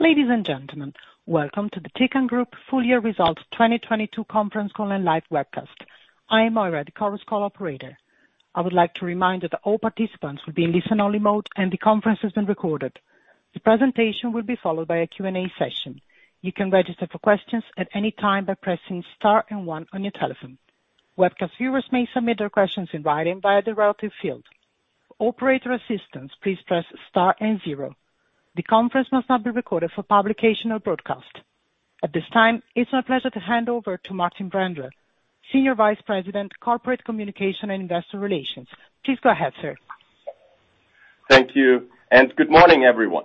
Ladies and gentlemen, welcome to the Tecan Group Full Year Results 2022 conference call and live webcast. I am Moira, the Chorus Call operator. I would like to remind that all participants will be in listen-only mode and the conference is being recorded. The presentation will be followed by a Q&A session. You can register for questions at any time by pressing Star and One on your telephone. Webcast viewers may submit their questions in writing via the relative field. For operator assistance, please press Star and Zero. The conference must not be recorded for publication or broadcast. At this time, it's my pleasure to hand over to Martin Brändle, Senior Vice President, Corporate Communication and Investor Relations. Please go ahead, sir. Thank you. Good morning, everyone.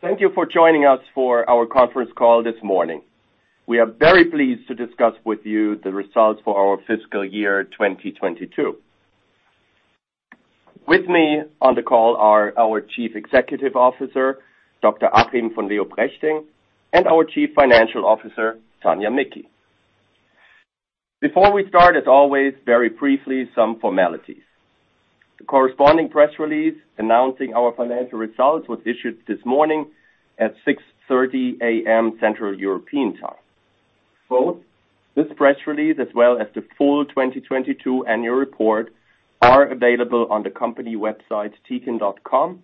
Thank you for joining us for our conference call this morning. We are very pleased to discuss with you the results for our fiscal year 2022. With me on the call are our Chief Executive Officer, Dr Achim von Leoprechting, and our Chief Financial Officer, Tania Micki. Before we start, as always, very briefly some formalities. The corresponding press release announcing our financial results was issued this morning at 6:30 A.M. Central European Time. Both this press release, as well as the full 2022 annual report, are available on the company website Tecan.com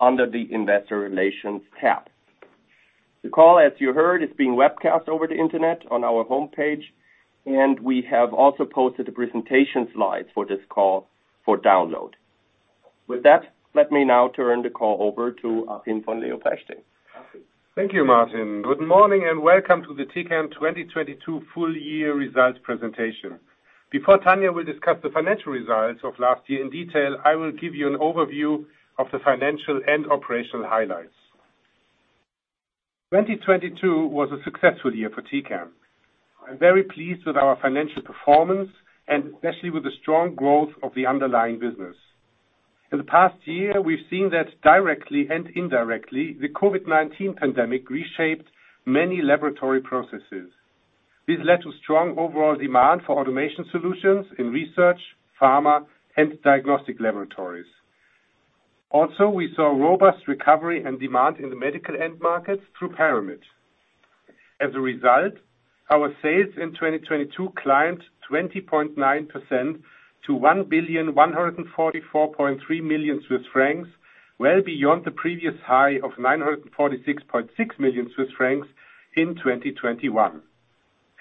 under the Investor Relations tab. The call, as you heard, is being webcast over the Internet on our homepage, and we have also posted the presentation slides for this call for download. With that, let me now turn the call over to Achim von Leoprechting. Achim? Thank you, Martin. Good morning and welcome to the Tecan 2022 full year results presentation. Before Tania will discuss the financial results of last year in detail, I will give you an overview of the financial and operational highlights. 2022 was a successful year for Tecan. I'm very pleased with our financial performance and especially with the strong growth of the underlying business. In the past year, we've seen that directly and indirectly, the COVID-19 pandemic reshaped many laboratory processes. This led to strong overall demand for automation solutions in research, pharma, and diagnostic laboratories. We saw robust recovery and demand in the medical end markets through Paramit. Our sales in 2022 climbed 20.9% to 1,144.3 million Swiss francs, well beyond the previous high of 946.6 million Swiss francs in 2021,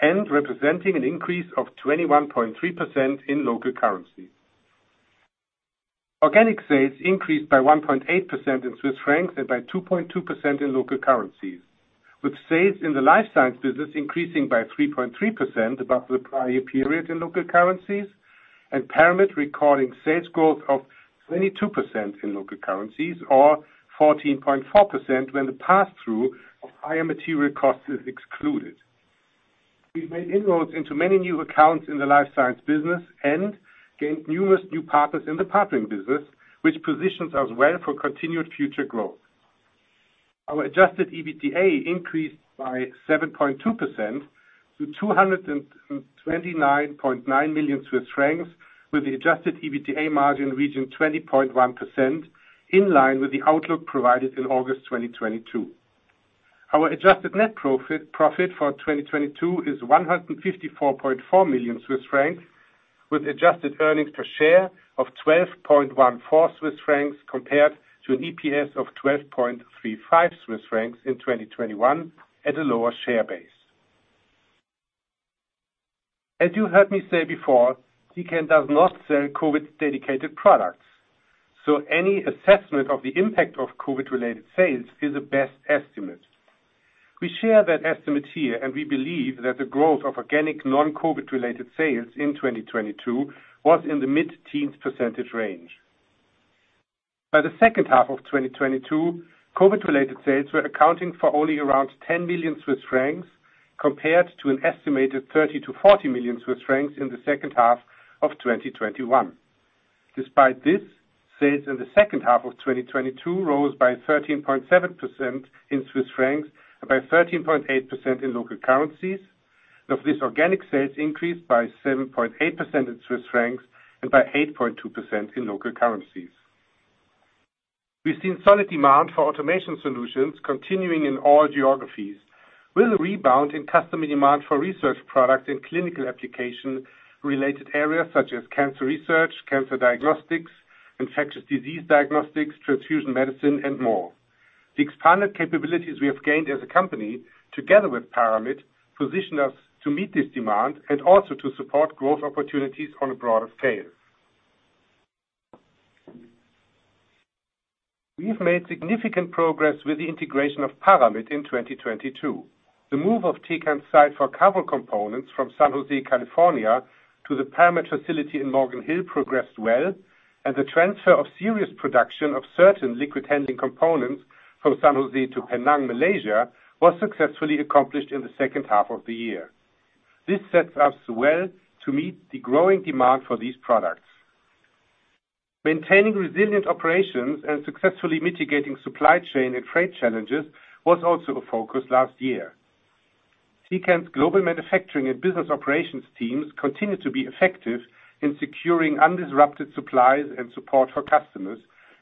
and representing an increase of 21.3% in local currency. Organic sales increased by 1.8% in Swiss francs and by 2.2% in local currencies, with sales in the life science business increasing by 3.3% above the prior period in local currencies, and Paramit recording sales growth of 22% in local currencies or 14.4% when the pass-through of higher material cost is excluded. We've made inroads into many new accounts in the life science business and gained numerous new partners in the partnering business, which positions us well for continued future growth. Our adjusted EBITDA increased by 7.2% to 229.9 million Swiss francs, with the adjusted EBITDA margin reaching 20.1%, in line with the outlook provided in August 2022. Our adjusted net profit for 2022 is 154.4 million Swiss francs, with adjusted earnings per share of 12.14 Swiss francs compared to an EPS of 12.35 Swiss francs in 2021 at a lower share base. As you heard me say before, Tecan does not sell COVID dedicated products, so any assessment of the impact of COVID-related sales is a best estimate. We share that estimate here, and we believe that the growth of organic non-COVID related sales in 2022 was in the mid-teens percentage range. By the second half of 2022, COVID-related sales were accounting for only around 10 million Swiss francs compared to an estimated 30 million-40 million Swiss francs in the second half of 2021. Despite this, sales in the second half of 2022 rose by 13.7% in Swiss francs and by 13.8% in local currencies. Of this, organic sales increased by 7.8% in Swiss francs and by 8.2% in local currencies. We've seen solid demand for automation solutions continuing in all geographies with a rebound in customer demand for research products in clinical application related areas such as cancer research, cancer diagnostics, infectious disease diagnostics, transfusion medicine, and more. The expanded capabilities we have gained as a company, together with Paramit, position us to meet this demand and also to support growth opportunities on a broader scale. We've made significant progress with the integration of Paramit in 2022. The move of Tecan's site for cover components from San Jose, California, to the Paramit facility in Morgan Hill progressed well, and the transfer of serious production of certain liquid handling components from San Jose to Penang, Malaysia, was successfully accomplished in the second half of the year. This sets us well to meet the growing demand for these products. Maintaining resilient operations and successfully mitigating supply chain and freight challenges was also a focus last year. Tecan's global manufacturing and business operations teams continue to be effective in securing undisrupted supplies and support for customers,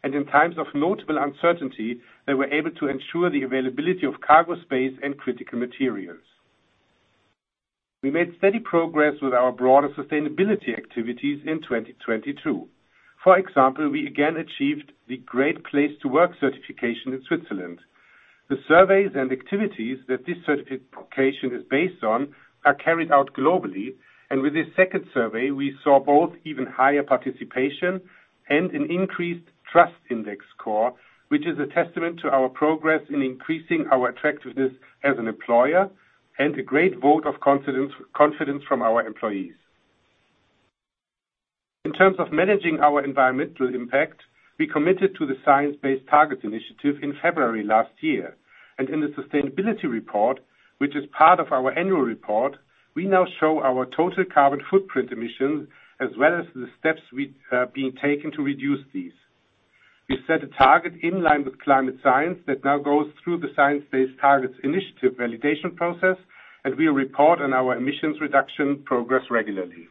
and in times of notable uncertainty, they were able to ensure the availability of cargo space and critical materials. We made steady progress with our broader sustainability activities in 2022. For example, we again achieved the Great Place to Work certification in Switzerland. The surveys and activities that this certification is based on are carried out globally, and with this second survey, we saw both even higher participation and an increased trust index score, which is a testament to our progress in increasing our attractiveness as an employer and a great vote of confidence from our employees. In terms of managing our environmental impact, we committed to the Science-Based Targets initiative in February last year. In the sustainability report, which is part of our annual report, we now show our total carbon footprint emissions as well as the steps we being taken to reduce these. We set a target in line with climate science that now goes through the Science-Based Targets initiative validation process. We report on our emissions reduction progress regularly.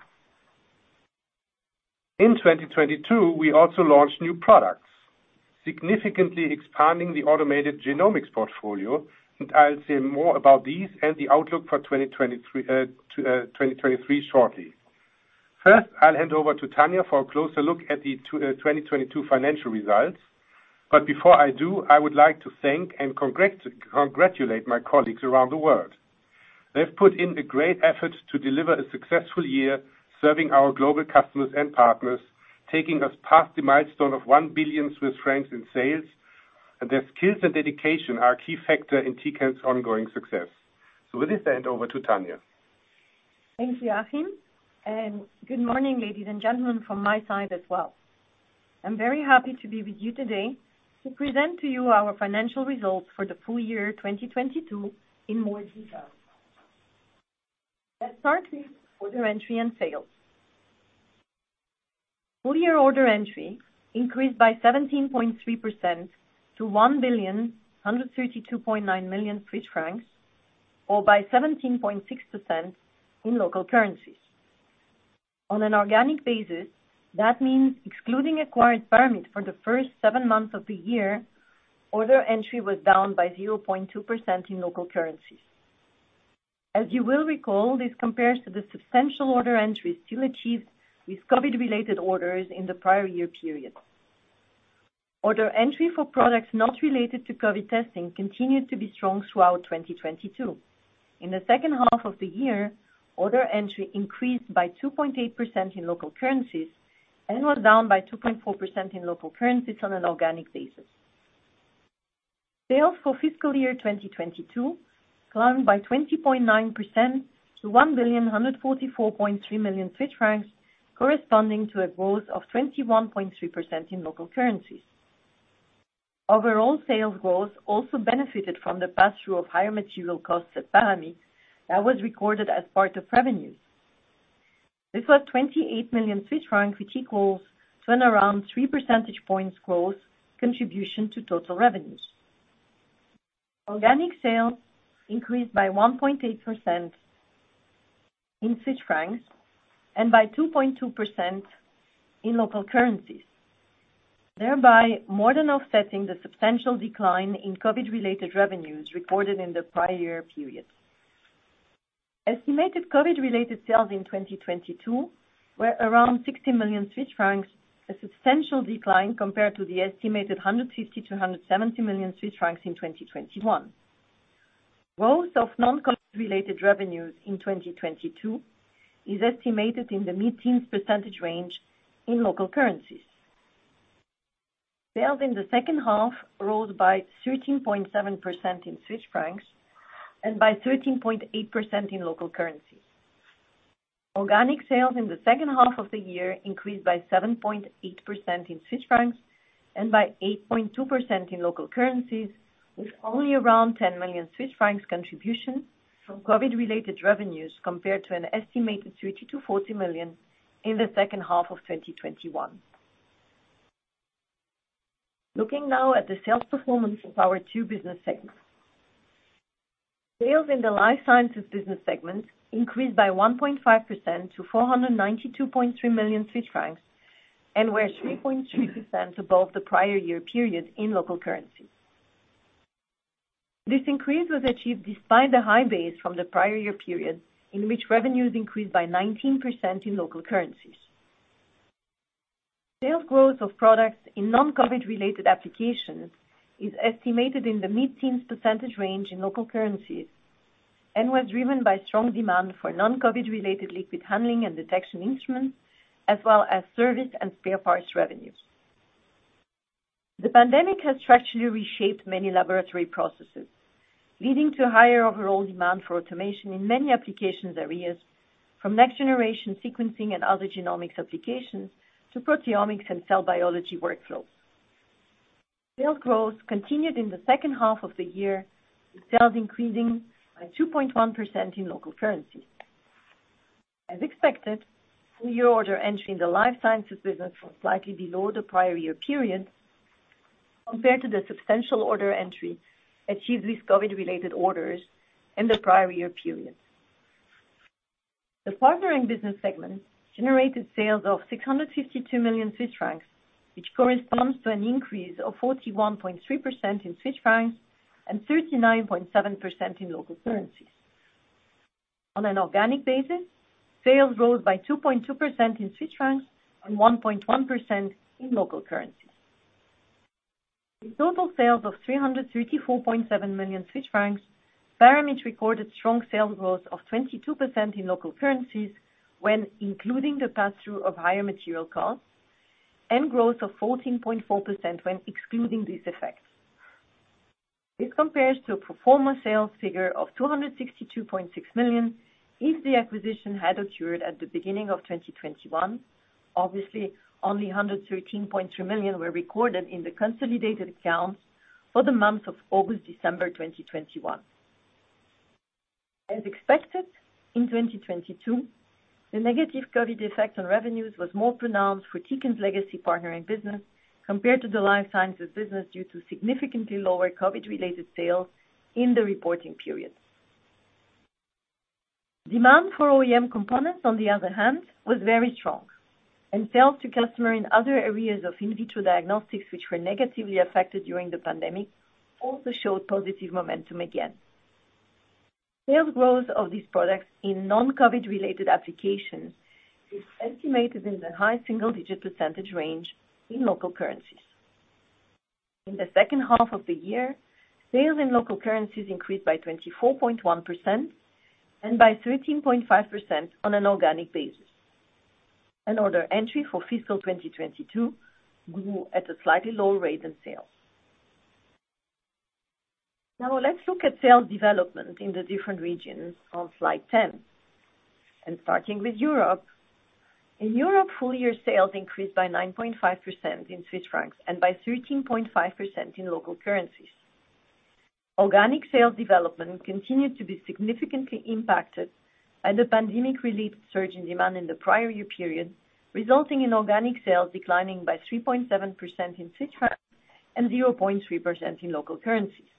In 2022, we also launched new products, significantly expanding the automated genomics portfolio. I'll say more about these and the outlook for 2023 shortly. First, I'll hand over to Tania for a closer look at the 2022 financial results. Before I do, I would like to thank and congratulate my colleagues around the world. They've put in a great effort to deliver a successful year serving our global customers and partners, taking us past the milestone of 1 billion Swiss francs in sales. Their skills and dedication are a key factor in Tecan's ongoing success. With this, I hand over to Tanya. Thank you, Achim, good morning, ladies and gentlemen, from my side as well. I'm very happy to be with you today to present to you our financial results for the full year 2022 in more detail. Let's start with order entry and sales. Full year order entry increased by 17.3% to 1,132.9 million Swiss francs, or by 17.6% in local currencies. On an organic basis, that means excluding acquired Paramit for the first 7 months of the year, order entry was down by 0.2% in local currency. As you will recall, this compares to the substantial order entry still achieved with COVID-related orders in the prior year period. Order entry for products not related to COVID testing continued to be strong throughout 2022. In the second half of the year, order entry increased by 2.8% in local currencies and was down by 2.4% in local currencies on an organic basis. Sales for fiscal year 2022 climbed by 20.9% to 1 billion 100 44.3 million, corresponding to a growth of 21.3% in local currencies. Overall sales growth also benefited from the pass-through of higher material costs at Paramit that was recorded as part of revenues. This was 28 million Swiss franc, which equals to an around 3 percentage points growth contribution to total revenues. Organic sales increased by 1.8% in Swiss francs and by 2.2% in local currencies, thereby more than offsetting the substantial decline in COVID-related revenues reported in the prior year period. Estimated COVID-related sales in 2022 were around 60 million Swiss francs, a substantial decline compared to the estimated 150 million-170 million Swiss francs in 2021. Growth of non-COVID related revenues in 2022 is estimated in the mid-teens percentage range in local currencies. Sales in the second half rose by 13.7% in CHF and by 13.8% in local currency. Organic sales in the second half of the year increased by 7.8% in CHF and by 8.2% in local currencies, with only around 10 million Swiss francs contribution from COVID-related revenues, compared to an estimated 30 million-40 million in the second half of 2021. Looking now at the sales performance of our two business segments. Sales in the life sciences business segment increased by 1.5% to 492.3 million Swiss francs and were 3.6% above the prior year period in local currency. This increase was achieved despite the high base from the prior year period in which revenues increased by 19% in local currencies. Sales growth of products in non-COVID related applications is estimated in the mid-teens % range in local currencies and was driven by strong demand for non-COVID related liquid handling and detection instruments, as well as service and spare parts revenues. The pandemic has structurally reshaped many laboratory processes, leading to higher overall demand for automation in many applications areas from Next-Generation Sequencing and other genomics applications to proteomics and cell biology workflows. Sales growth continued in the second half of the year, with sales increasing by 2.1% in local currency. As expected, new year order entry in the life sciences business was slightly below the prior year period compared to the substantial order entry achieved with COVID-related orders in the prior year period. The partnering business segment generated sales of 652 million Swiss francs, which corresponds to an increase of 41.3% in Swiss francs and 39.7% in local currencies. On an organic basis, sales rose by 2.2% in Swiss francs and 1.1% in local currencies. With total sales of 334.7 million Swiss francs, Paramit recorded strong sales growth of 22% in local currencies when including the pass through of higher material costs and growth of 14.4% when excluding these effects. This compares to a pro forma sales figure of 262.6 million if the acquisition had occurred at the beginning of 2021. Only 113.3 million were recorded in the consolidated accounts for the month of August, December 2021. In 2022, the negative COVID effect on revenues was more pronounced for Tecan's legacy partnering business compared to the life sciences business, due to significantly lower COVID related sales in the reporting period. Demand for OEM components, on the other hand, was very strong, and sales to customer in other areas of in vitro diagnostics, which were negatively affected during the pandemic, also showed positive momentum again. Sales growth of these products in non-COVID-related applications is estimated in the high single-digit % range in local currencies. In the second half of the year, sales in local currencies increased by 24.1% and by 13.5% on an organic basis. Order entry for fiscal 2022 grew at a slightly lower rate than sales. Let's look at sales development in the different regions on slide 10. Starting with Europe. In Europe, full year sales increased by 9.5% in CHF and by 13.5% in local currencies. Organic sales development continued to be significantly impacted by the pandemic related surge in demand in the prior year period, resulting in organic sales declining by 3.7% in CHF and 0.3% in local currencies.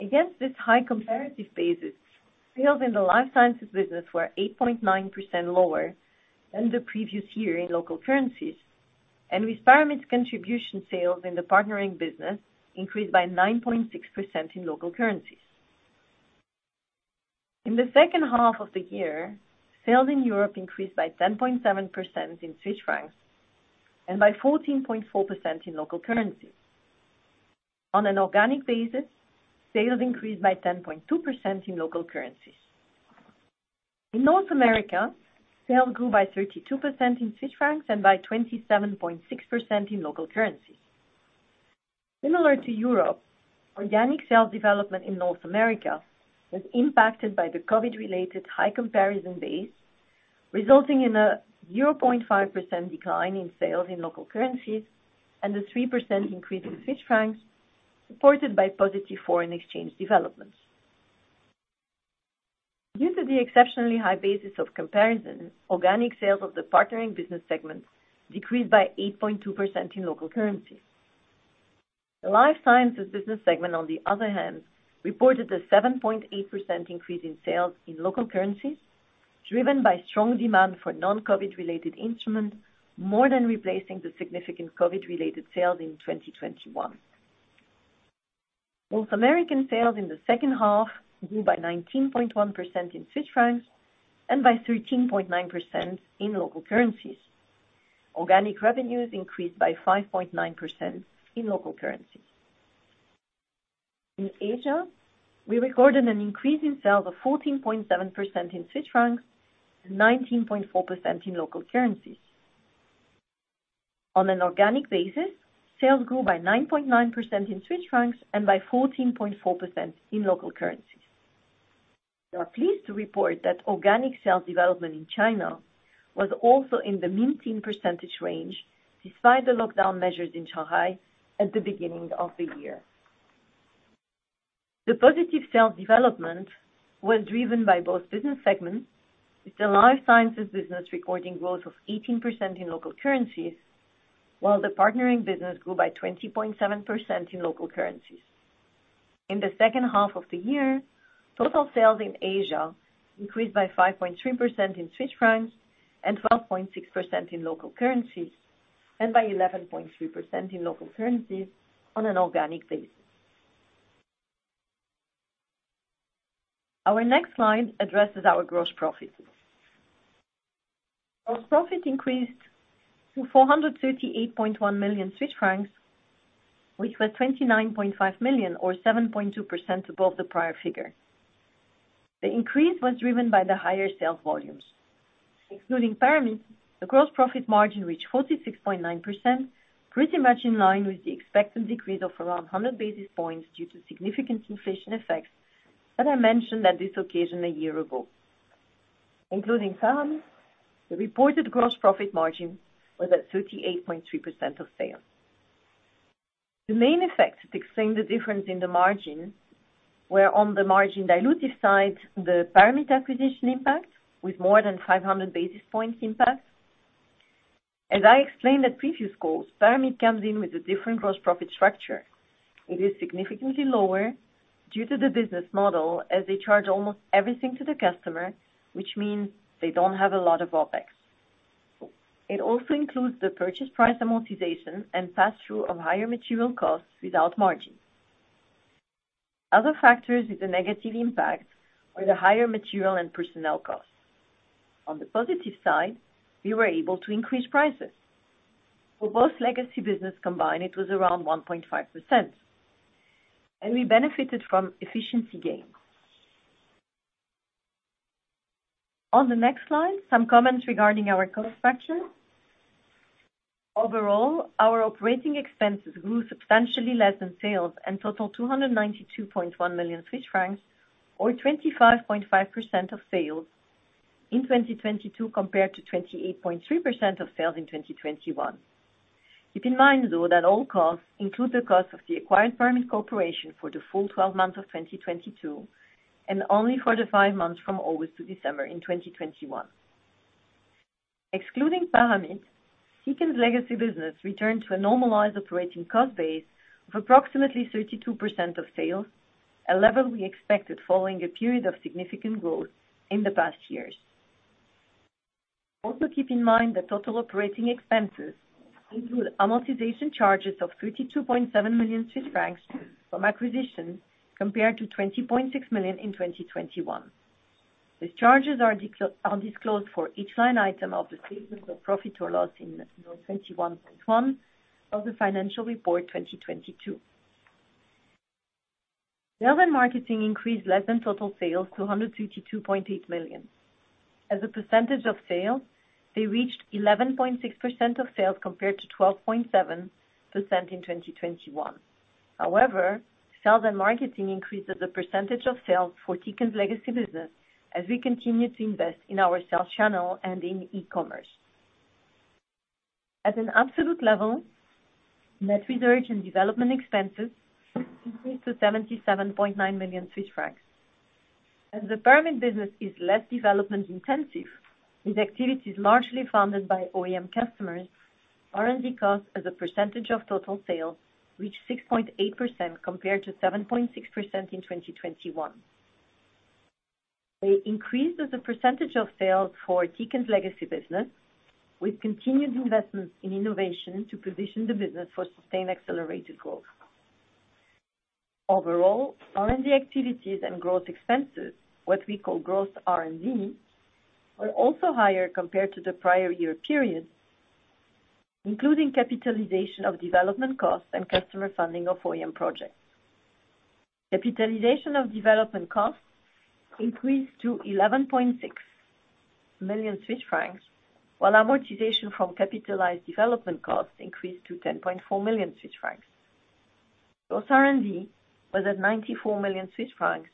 Against this high comparative basis, sales in the life sciences business were 8.9% lower than the previous year in local currencies, and with Paramit's contribution, sales in the partnering business increased by 9.6% in local currencies. In the second half of the year, sales in Europe increased by 10.7% in CHF and by 14.4% in local currencies. On an organic basis, sales increased by 10.2% in local currencies. In North America, sales grew by 32% in CHF and by 27.6% in local currency. Similar to Europe, organic sales development in North America was impacted by the COVID-related high comparison base, resulting in a 0.5% decline in sales in local currencies and a 3% increase in Swiss francs, supported by positive foreign exchange developments. Due to the exceptionally high basis of comparison, organic sales of the partnering business segment decreased by 8.2% in local currency. The life sciences business segment, on the other hand, reported a 7.8% increase in sales in local currencies, driven by strong demand for non-COVID-related instruments, more than replacing the significant COVID-related sales in 2021. North American sales in the second half grew by 19.1% in Swiss francs and by 13.9% in local currencies. Organic revenues increased by 5.9% in local currency. In Asia, we recorded an increase in sales of 14.7% in CHF and 19.4% in local currencies. On an organic basis, sales grew by 9.9% in CHF and by 14.4% in local currencies. We are pleased to report that organic sales development in China was also in the mid-teen percentage range, despite the lockdown measures in Shanghai at the beginning of the year. The positive sales development was driven by both business segments, with the life sciences business recording growth of 18% in local currencies, while the partnering business grew by 20.7% in local currencies. In the second half of the year, total sales in Asia increased by 5.3% in CHF and 12.6% in local currencies, and by 11.3% in local currencies on an organic basis. Our next slide addresses our gross profit. Gross profit increased to 438.1 million Swiss francs, which was 29.5 million or 7.2% above the prior figure. The increase was driven by the higher sales volumes. Excluding Paramit, the gross profit margin reached 46.9%, pretty much in line with the expected decrease of around 100 basis points due to significant inflation effects that I mentioned at this occasion a year ago. Including Paramit, the reported gross profit margin was at 38.3% of sales. The main effects that explain the difference in the margins were on the margin dilutive side, the Paramit acquisition impact with more than 500 basis points impact. As I explained at previous calls, Paramit comes in with a different gross profit structure. It is significantly lower due to the business model as they charge almost everything to the customer, which means they don't have a lot of OpEx. It also includes the purchase price amortization and passthrough of higher material costs without margin. Other factors with a negative impact are the higher material and personnel costs. On the positive side, we were able to increase prices. For both legacy business combined, it was around 1.5%, and we benefited from efficiency gains. On the next slide, some comments regarding our cost structure. Overall, our operating expenses grew substantially less than sales and totaled 292.1 million Swiss francs, or 25.5% of sales in 2022, compared to 28.3% of sales in 2021. Keep in mind, though, that all costs include the cost of the acquired Paramit Corporation for the full 12 months of 2022 and only for the five months from August to December in 2021. Excluding Paramit, Tecan's legacy business returned to a normalized operating cost base of approximately 32% of sales, a level we expected following a period of significant growth in the past years. Also keep in mind that total operating expenses include amortization charges of 32.7 million Swiss francs from acquisition compared to 20.6 million in 2021. These charges are disclosed for each line item of the statements of profit or loss in Note 21.1 of the financial report 2022. Sales and marketing increased less than total sales to 152.8 million. As a percentage of sales, they reached 11.6% of sales compared to 12.7% in 2021. Sales and marketing increased as a percentage of sales for Tecan's legacy business as we continue to invest in our sales channel and in e-commerce. At an absolute level, net research and development expenses increased to 77.9 million Swiss francs. As the Paramit business is less development intensive, with activities largely funded by OEM customers, R&D costs as a percentage of total sales reached 6.8% compared to 7.6% in 2021. They increased as a percentage of sales for Tecan's legacy business, with continued investments in innovation to position the business for sustained accelerated growth. Overall, R&D activities and growth expenses, what we call growth R&D, were also higher compared to the prior year period, including capitalization of development costs and customer funding of OEM projects. Capitalization of development costs increased to 11.6 million Swiss francs, while amortization from capitalized development costs increased to 10.4 million Swiss francs. Gross R&D was at 94 million Swiss francs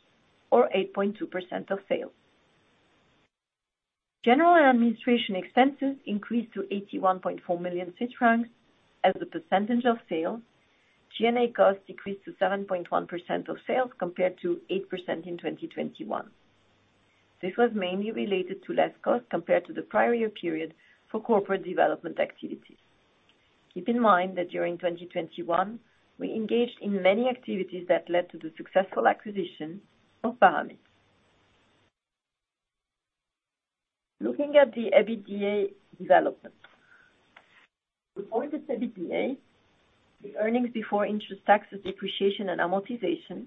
or 8.2% of sales. General and administration expenses increased to 81.4 million francs. As a percentage of sales, G&A costs decreased to 7.1% of sales compared to 8% in 2021. This was mainly related to less cost compared to the prior year period for corporate development activities. Keep in mind that during 2021, we engaged in many activities that led to the successful acquisition of Paramit. Looking at the EBITDA development. Reported EBITDA, the earnings before interest, taxes, depreciation, and amortization,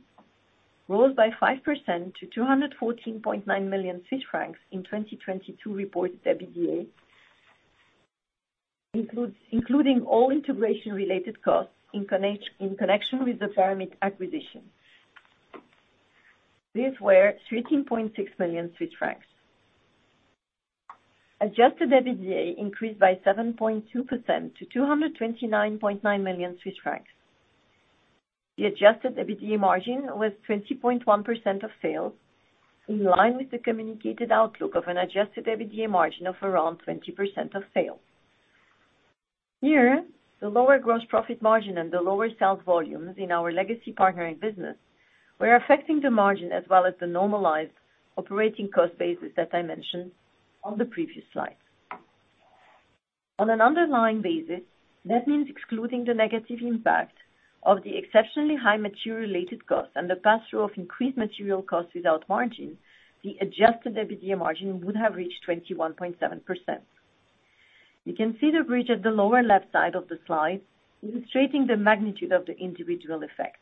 rose by 5% to 214.9 million Swiss francs in 2022. Reported EBITDA including all integration related costs in connection with the Paramit acquisition. These were CHF 13.6 million. Adjusted EBITDA increased by 7.2% to 229.9 million Swiss francs. The adjusted EBITDA margin was 20.1% of sales, in line with the communicated outlook of an adjusted EBITDA margin of around 20% of sales. Here, the lower gross profit margin and the lower sales volumes in our legacy partnering business were affecting the margin as well as the normalized operating cost basis that I mentioned on the previous slide. On an underlying basis, that means excluding the negative impact of the exceptionally high material related costs and the pass-through of increased material costs without margin, the adjusted EBITDA margin would have reached 21.7%. You can see the bridge at the lower left side of the slide illustrating the magnitude of the individual effects.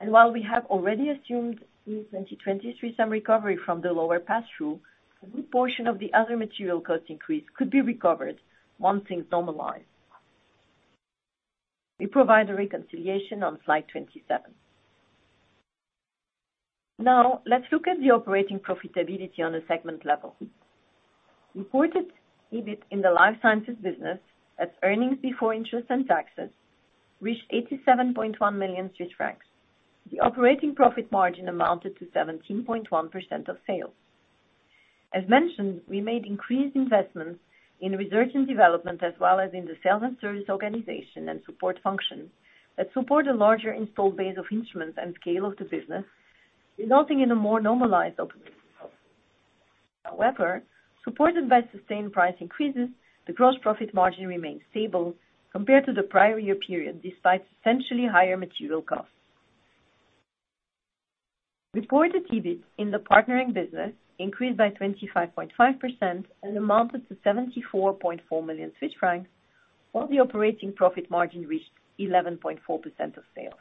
While we have already assumed in 2023 some recovery from the lower pass-through, a good portion of the other material cost increase could be recovered once things normalize. We provide a reconciliation on slide 27. Let's look at the operating profitability on a segment level. Reported EBIT in the Life Sciences business as earnings before interest and taxes reached 87.1 million Swiss francs. The operating profit margin amounted to 17.1% of sales. As mentioned, we made increased investments in research and development, as well as in the sales and service organization and support functions that support a larger installed base of instruments and scale of the business, resulting in a more normalized operating profit. However, supported by sustained price increases, the gross profit margin remains stable compared to the prior year period, despite substantially higher material costs. Reported EBIT in the partnering business increased by 25.5% and amounted to 74.4 million Swiss francs, while the operating profit margin reached 11.4% of sales.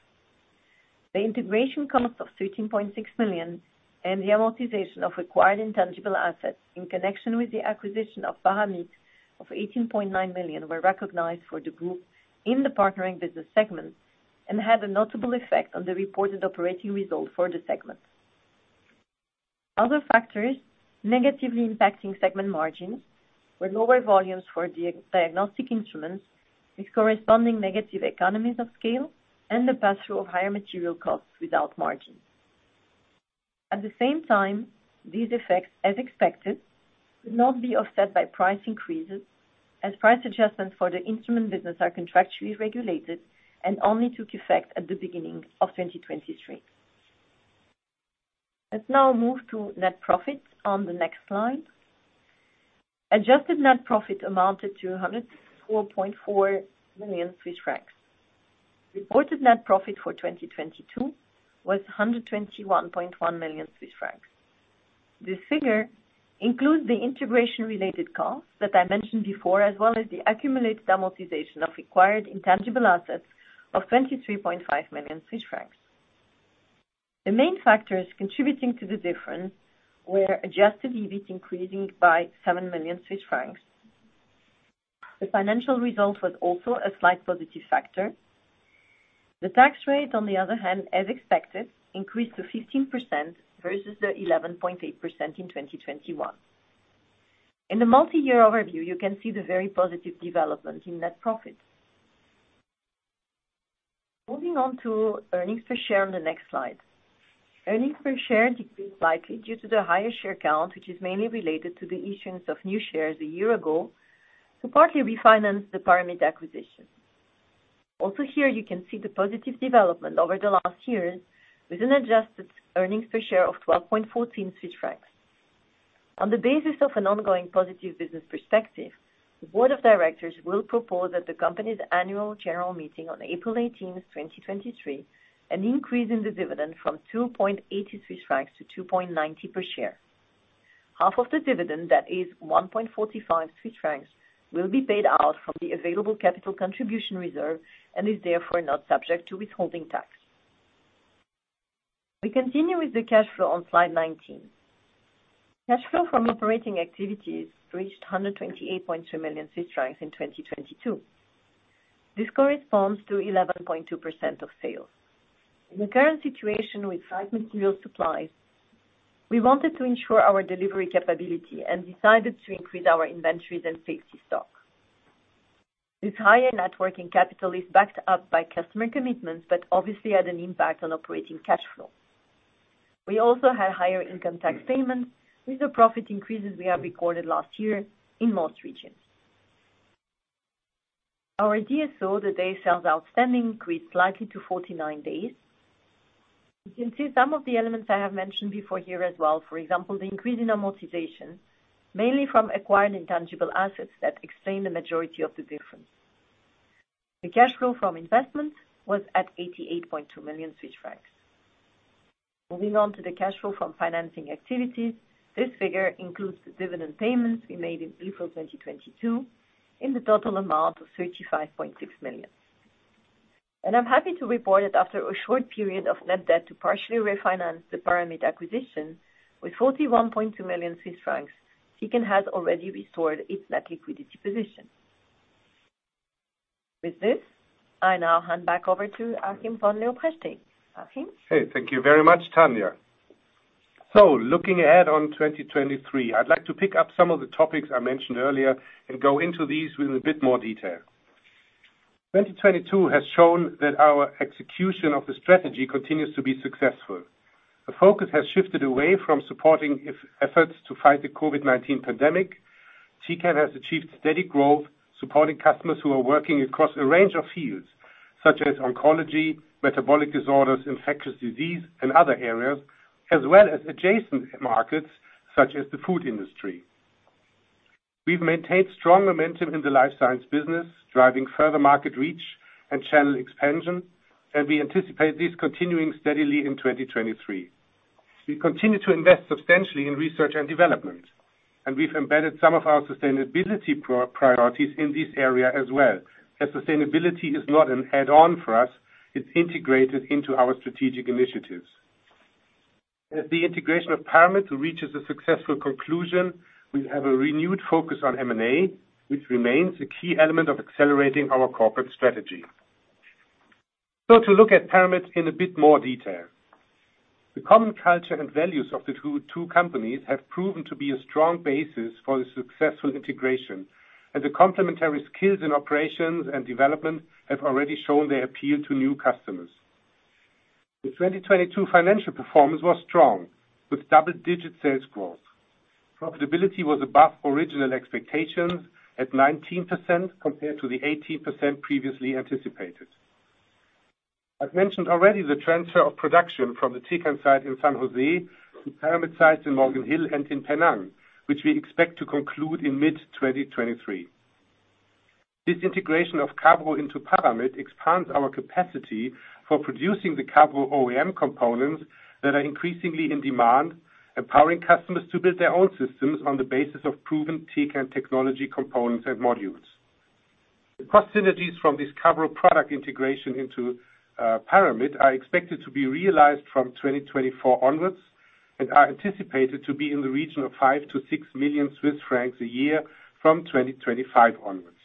The integration cost of 13.6 million and the amortization of acquired intangible assets in connection with the acquisition of Paramit of 18.9 million were recognized for the group in the partnering business segment and had a notable effect on the reported operating result for the segment. Other factors negatively impacting segment margins were lower volumes for dia-diagnostic instruments with corresponding negative economies of scale and the pass-through of higher material costs without margin. At the same time, these effects, as expected, could not be offset by price increases as price adjustments for the instrument business are contractually regulated and only took effect at the beginning of 2023. Let's now move to net profit on the next slide. Adjusted net profit amounted to 104.4 million Swiss francs. Reported net profit for 2022 was 121.1 million Swiss francs. This figure includes the integration related costs that I mentioned before, as well as the accumulated amortization of acquired intangible assets of 23.5 million Swiss francs. The main factors contributing to the difference were adjusted EBIT increasing by 7 million Swiss francs. The financial result was also a slight positive factor. The tax rate on the other hand, as expected, increased to 15% versus the 11.8% in 2021. In the multi-year overview, you can see the very positive development in net profit. Moving on to earnings per share on the next slide. Earnings per share decreased slightly due to the higher share count, which is mainly related to the issuance of new shares a year ago to partly refinance the Paramit acquisition. Here, you can see the positive development over the last years with an adjusted earnings per share of 12.14 Swiss francs. On the basis of an ongoing positive business perspective, the board of directors will propose at the company's annual general meeting on April 18, 2023, an increase in the dividend from 2.80 Swiss francs to 2.90 per share. Half of the dividend, that is 1.45 Swiss francs, will be paid out from the available capital contribution reserve and is therefore not subject to withholding tax. We continue with the cash flow on slide 19. Cash flow from operating activities reached 128.2 million Swiss francs in 2022. This corresponds to 11.2% of sales. In the current situation with tight material supplies, we wanted to ensure our delivery capability and decided to increase our inventories and safety stock. This higher networking capital is backed up by customer commitments, but obviously had an impact on operating cash flow. We also had higher income tax payments with the profit increases we have recorded last year in most regions. Our DSO, the day sales outstanding, increased slightly to 49 days. You can see some of the elements I have mentioned before here as well. For example, the increase in amortization, mainly from acquired intangible assets that explain the majority of the difference. The cash flow from investment was at 88.2 million Swiss francs. Moving on to the cash flow from financing activities. This figure includes the dividend payments we made in April 2022 in the total amount of 35.6 million. I'm happy to report that after a short period of net debt to partially refinance the Paramit acquisition with 41.2 million Swiss francs, Tecan has already restored its net liquidity position. I now hand back over to Achim von Leoprechting. Achim? Thank you very much, Tania. Looking ahead on 2023, I'd like to pick up some of the topics I mentioned earlier and go into these with a bit more detail. 2022 has shown that our execution of the strategy continues to be successful. The focus has shifted away from supporting efforts to fight the COVID-19 pandemic. Tecan has achieved steady growth, supporting customers who are working across a range of fields such as oncology, metabolic disorders, infectious disease, and other areas, as well as adjacent markets such as the food industry. We've maintained strong momentum in the life science business, driving further market reach and channel expansion, and we anticipate this continuing steadily in 2023. We continue to invest substantially in research and development, and we've embedded some of our sustainability priorities in this area as well, as sustainability is not an add-on for us, it's integrated into our strategic initiatives. The integration of Paramit reaches a successful conclusion, we have a renewed focus on M&A, which remains a key element of accelerating our corporate strategy. To look at Paramit in a bit more detail. The common culture and values of the two companies have proven to be a strong basis for the successful integration, and the complementary skills in operations and development have already shown their appeal to new customers. The 2022 financial performance was strong, with double-digit sales growth. Profitability was above original expectations at 19%, compared to the 18% previously anticipated. I've mentioned already the transfer of production from the Tecan site in San Jose to Paramit sites in Morgan Hill and in Penang, which we expect to conclude in mid 2023. This integration of Cavro into Paramit expands our capacity for producing the Cavro OEM components that are increasingly in demand, empowering customers to build their own systems on the basis of proven Tecan technology components and modules. The cost synergies from this Cavro product integration into Paramit are expected to be realized from 2024 onwards and are anticipated to be in the region of 5 million-6 million Swiss francs a year from 2025 onwards.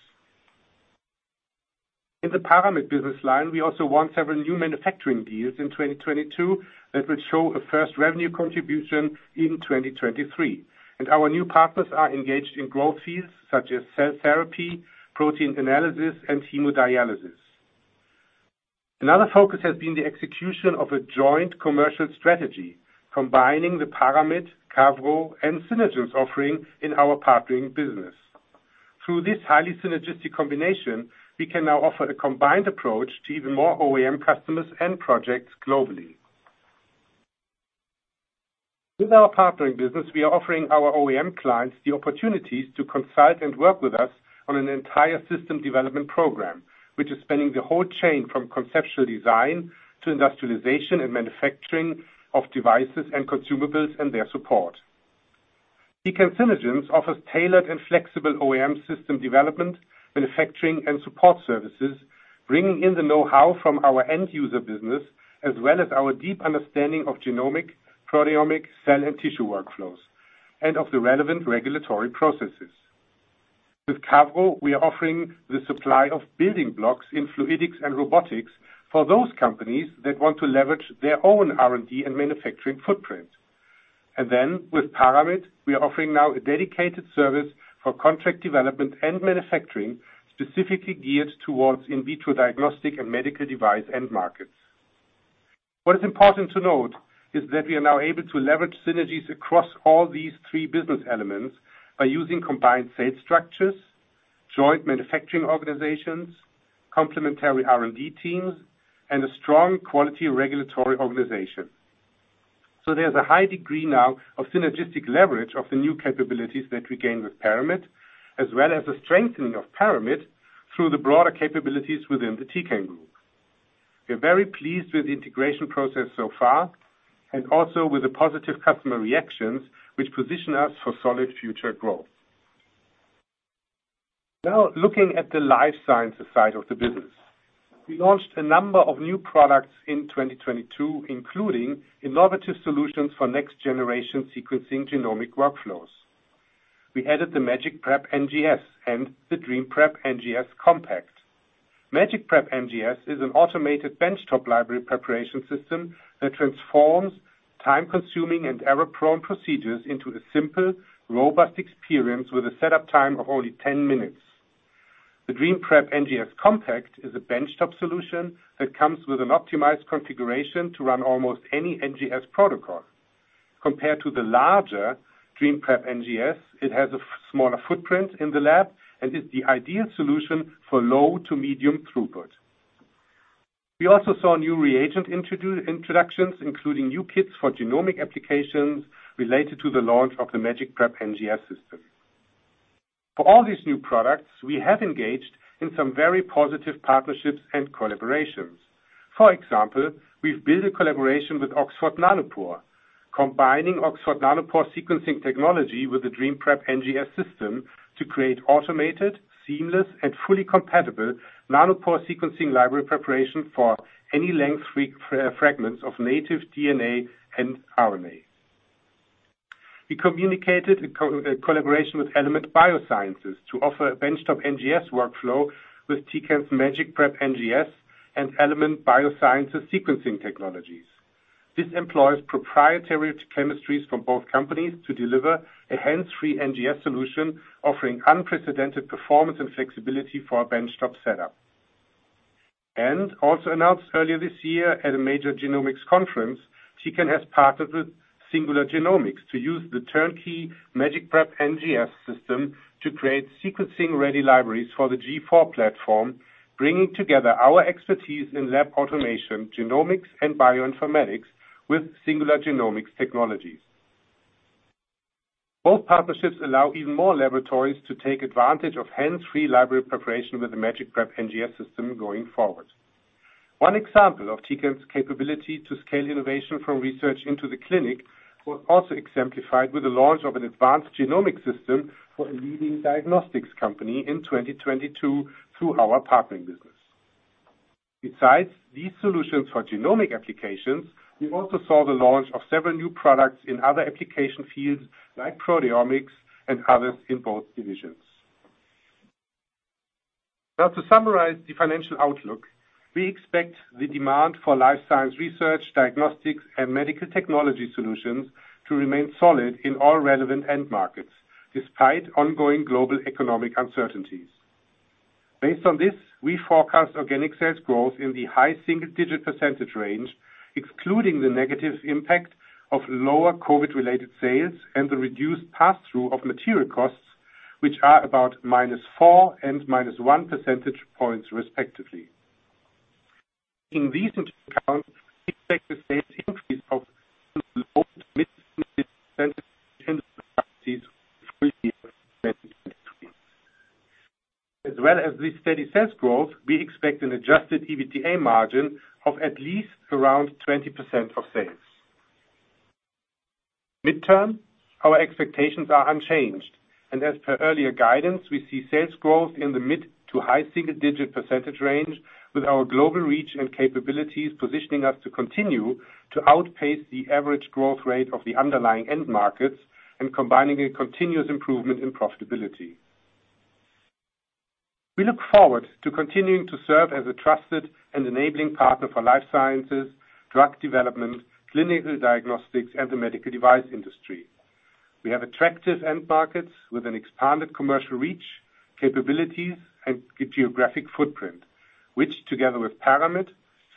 In the Paramit business line, we also won several new manufacturing deals in 2022 that will show a first revenue contribution in 2023. Our new partners are engaged in growth fields such as cell therapy, protein analysis, and hemodialysis. Another focus has been the execution of a joint commercial strategy, combining the Paramit, Cavro, and Synergence offering in our partnering business. Through this highly synergistic combination, we can now offer a combined approach to even more OEM customers and projects globally. With our partnering business, we are offering our OEM clients the opportunities to consult and work with us on an entire system development program, which is spanning the whole chain from conceptual design to industrialization and manufacturing of devices and consumables and their support. Tecan Synergence offers tailored and flexible OEM system development, manufacturing, and support services, bringing in the know-how from our end user business, as well as our deep understanding of genomic, proteomic, cell and tissue workflows, and of the relevant regulatory processes. With Cavro, we are offering the supply of building blocks in fluidics and robotics for those companies that want to leverage their own R&D and manufacturing footprint. With Paramit, we are offering now a dedicated service for contract development and manufacturing, specifically geared towards in vitro diagnostic and medical device end markets. What is important to note is that we are now able to leverage synergies across all these three business elements by using combined sales structures, joint manufacturing organizations, complementary R&D teams, and a strong quality regulatory organization. There's a high degree now of synergistic leverage of the new capabilities that we gain with Paramit, as well as a strengthening of Paramit through the broader capabilities within the Tecan Group. We're very pleased with the integration process so far, and also with the positive customer reactions, which position us for solid future growth. Now, looking at the life sciences side of the business, we launched a number of new products in 2022, including innovative solutions for Next-Generation Sequencing genomic workflows. We added the MagicPrep NGS and the DreamPrep NGS Compact. MagicPrep NGS is an automated benchtop library preparation system that transforms time-consuming and error-prone procedures into a simple, robust experience with a setup time of only 10 minutes. The DreamPrep NGS Compact is a benchtop solution that comes with an optimized configuration to run almost any NGS protocol. Compared to the larger DreamPrep NGS, it has a smaller footprint in the lab and is the ideal solution for low to medium throughput. We also saw new reagent introductions, including new kits for genomic applications related to the launch of the MagicPrep NGS system. For all these new products, we have engaged in some very positive partnerships and collaborations. For example, we've built a collaboration with Oxford Nanopore, combining Oxford Nanopore sequencing technology with the DreamPrep NGS system to create automated, seamless, and fully compatible Nanopore sequencing library preparation for any length fragments of native DNA and RNA. We communicated a collaboration with Element Biosciences to offer a benchtop NGS workflow with Tecan's MagicPrep NGS and Element Biosciences sequencing technologies. This employs proprietary chemistries from both companies to deliver a hands-free NGS solution, offering unprecedented performance and flexibility for our benchtop setup. Also announced earlier this year at a major genomics conference, Tecan has partnered with Singular Genomics to use the turnkey MagicPrep NGS system to create sequencing-ready libraries for the G4 platform, bringing together our expertise in lab automation, genomics, and bioinformatics with Singular Genomics technologies. Both partnerships allow even more laboratories to take advantage of hands-free library preparation with the MagicPrep NGS system going forward. One example of Tecan's capability to scale innovation from research into the clinic was also exemplified with the launch of an advanced genomic system for a leading diagnostics company in 2022 through our partnering business. Besides these solutions for genomic applications, we also saw the launch of several new products in other application fields like proteomics and others in both divisions. Now to summarize the financial outlook, we expect the demand for life science research, diagnostics, and medical technology solutions to remain solid in all relevant end markets, despite ongoing global economic uncertainties. Based on this, we forecast organic sales growth in the high single-digit % range, excluding the negative impact of lower COVID-related sales and the reduced passthrough of material costs, which are about -4 and -1 percentage points respectively. In recent accounts, we expect the sales increase of As well as this steady sales growth, we expect an adjusted EBITDA margin of at least around 20% of sales. Midterm, our expectations are unchanged, and as per earlier guidance, we see sales growth in the mid to high single-digit % range with our global reach and capabilities positioning us to continue to outpace the average growth rate of the underlying end markets and combining a continuous improvement in profitability. We look forward to continuing to serve as a trusted and enabling partner for life sciences, drug development, clinical diagnostics and the medical device industry. We have attractive end markets with an expanded commercial reach, capabilities and geographic footprint, which together with Paramit,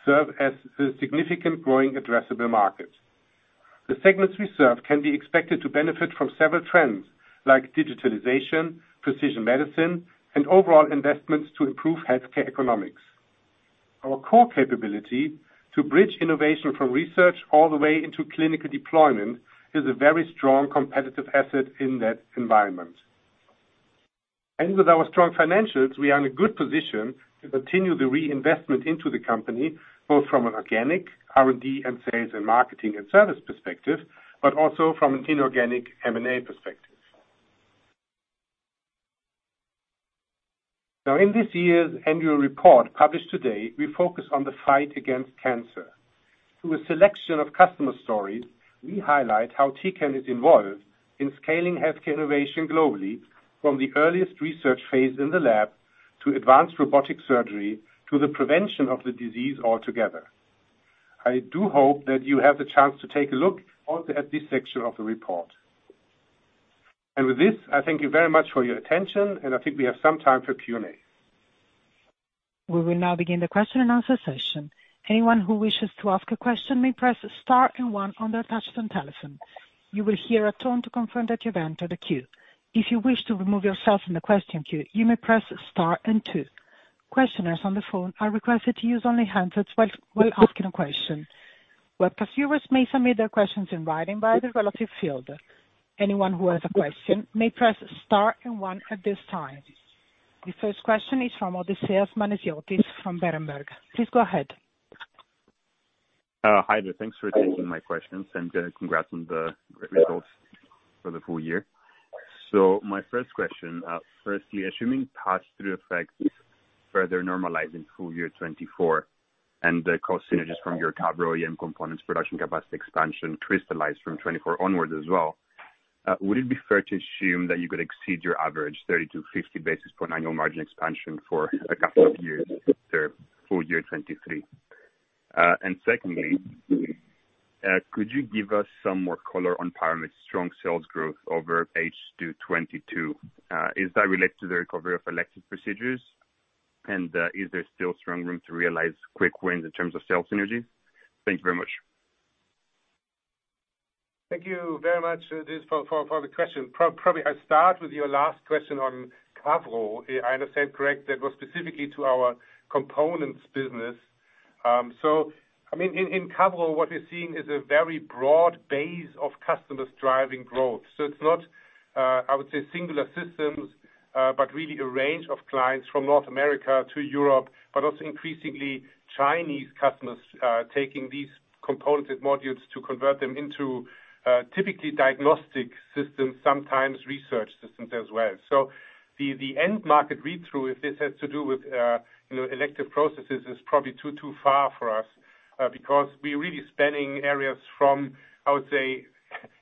serve as a significant growing addressable market. The segments we serve can be expected to benefit from several trends like digitalization, precision medicine, and overall investments to improve healthcare economics. Our core capability to bridge innovation from research all the way into clinical deployment is a very strong competitive asset in that environment. With our strong financials, we are in a good position to continue the reinvestment into the company, both from an organic R&D and sales and marketing and service perspective, but also from an inorganic M&A perspective. In this year's annual report published today, we focus on the fight against cancer. Through a selection of customer stories, we highlight how Tecan is involved in scaling healthcare innovation globally from the earliest research phase in the lab to advanced robotic surgery to the prevention of the disease altogether. I do hope that you have the chance to take a look also at this section of the report. With this, I thank you very much for your attention, and I think we have some time for Q&A. We will now begin the question and answer session. Anyone who wishes to ask a question may press star and one on their touch tone telephone. You will hear a tone to confirm that you've entered the queue. If you wish to remove yourself from the question queue, you may press star and two. Questioners on the phone are requested to use only handsets while asking a question. Webcast viewers may submit their questions in writing via the relative field. Anyone who has a question may press star and one at this time. The first question is from Odysseus Manessiotis from Berenberg. Please go ahead. Hi there. Thanks for taking my questions, and congrats on the great results for the full year. My first question, firstly, assuming passthrough effects further normalizing full year 2024 and the cost synergies from your Cavro EM components production capacity expansion crystallize from 2024 onwards as well, would it be fair to assume that you could exceed your average 30 to 50 basis point annual margin expansion for a couple of years after full year 2023? Secondly, could you give us some more color on Paramit's strong sales growth over H2 2022? Is that related to the recovery of elective procedures? Is there still strong room to realize quick wins in terms of sales synergies? Thank you very much. Thank you very much, Odysseus for the question. Probably I start with your last question on Cavro. I understand correct, that was specifically to our components business. I mean, in Cavro, what we're seeing is a very broad base of customers driving growth. It's not, I would say singular systems, but really a range of clients from North America to Europe, but also increasingly Chinese customers, taking these component modules to convert them into, typically diagnostic systems, sometimes research systems as well. The end market read-through, if this has to do with, you know, elective processes, is probably too far for us, because we're really spanning areas from, I would say,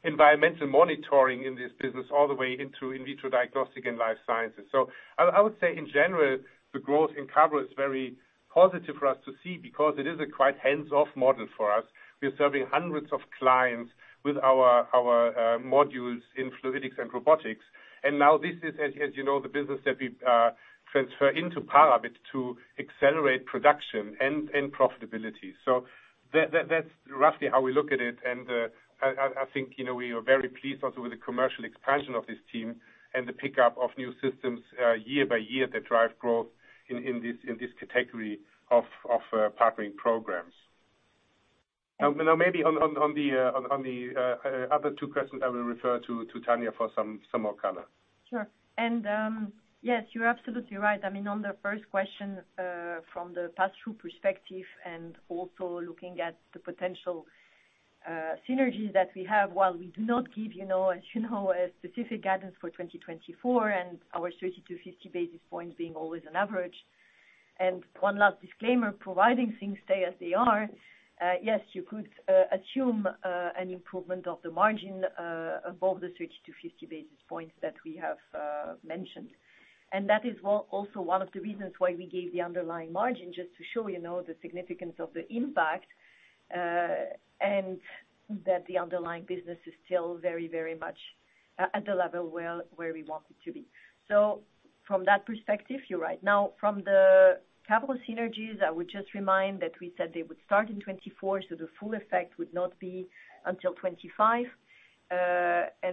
environmental monitoring in this business all the way into in vitro diagnostic and life sciences. I would say in general, the growth in Cavro is very positive for us to see because it is a quite hands-off model for us. We are serving hundreds of clients with our modules in fluidics and robotics. Now this is, as you know, the business that we transfer into Paramit to accelerate production and profitability. That's roughly how we look at it. I think, you know, we are very pleased also with the commercial expansion of this team and the pickup of new systems year by year that drive growth in this category of partnering programs. Now maybe on the other two questions, I will refer to Tania for some more color. Sure. Yes, you're absolutely right. I mean, on the first question, from the pass-through perspective and also looking at the potential synergies that we have, while we do not give, you know, as you know, a specific guidance for 2024 and our 30 to 50 basis points being always an average, and one last disclaimer, providing things stay as they are, yes, you could assume an improvement of the margin above the 30 to 50 basis points that we have mentioned. That is also one of the reasons why we gave the underlying margin, just to show, you know, the significance of the impact, and that the underlying business is still very, very much at the level where we want it to be. From that perspective, you're right. Now, from the capital synergies, I would just remind that we said they would start in 2024, so the full effect would not be until 2025.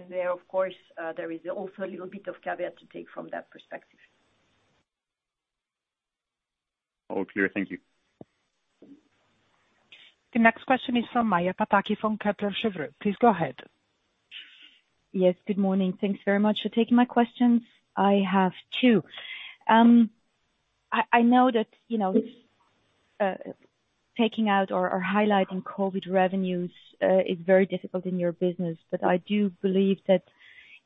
There of course, there is also a little bit of caveat to take from that perspective. All clear. Thank you. The next question is from Maja Pataki from Kepler Cheuvreux. Please go ahead. Yes, good morning. Thanks very much for taking my questions. I have two. I know that, you know, taking out or highlighting COVID revenues is very difficult in your business. I do believe that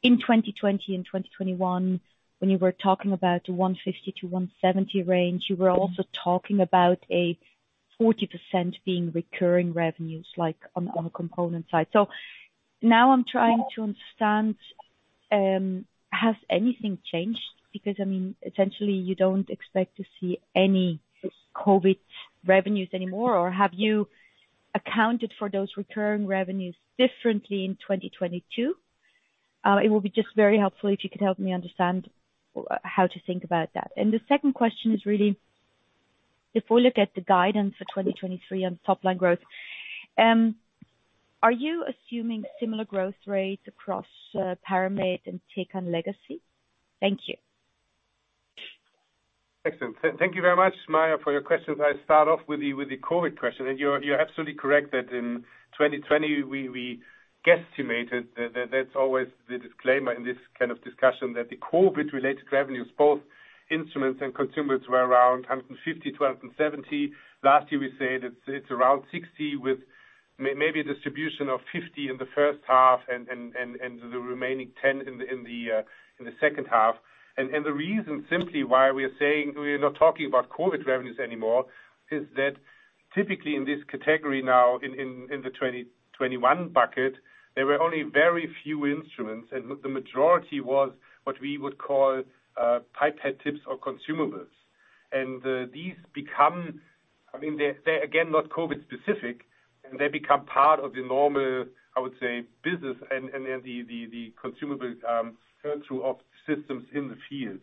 in 2020 and 2021, when you were talking about 150 million-170 million range, you were also talking about a 40% being recurring revenues, like on a component side. Now I'm trying to understand, has anything changed? I mean, essentially, you don't expect to see any COVID revenues anymore. Have you accounted for those recurring revenues differently in 2022? It will be just very helpful if you could help me understand how to think about that. The second question is really, if we look at the guidance for 2023 on top line growth, are you assuming similar growth rates across Paramit and Tecan Legacy? Thank you. Excellent. Thank you very much, Maya, for your questions. I'll start off with the COVID question. You're absolutely correct that in 2020 we guesstimated, that's always the disclaimer in this kind of discussion, that the COVID-related revenues, both instruments and consumers, were around 150-170. Last year we said it's around 60, with maybe a distribution of 50 in the first half and the remaining 10 in the second half. The reason simply why we are saying we are not talking about COVID revenues anymore is that typically in this category now in the 2021 bucket, there were only very few instruments, and the majority was what we would call pipette tips or consumables. These become... I mean, they're again, not COVID specific, and they become part of the normal, I would say, business and then the consumable turn through of systems in the field.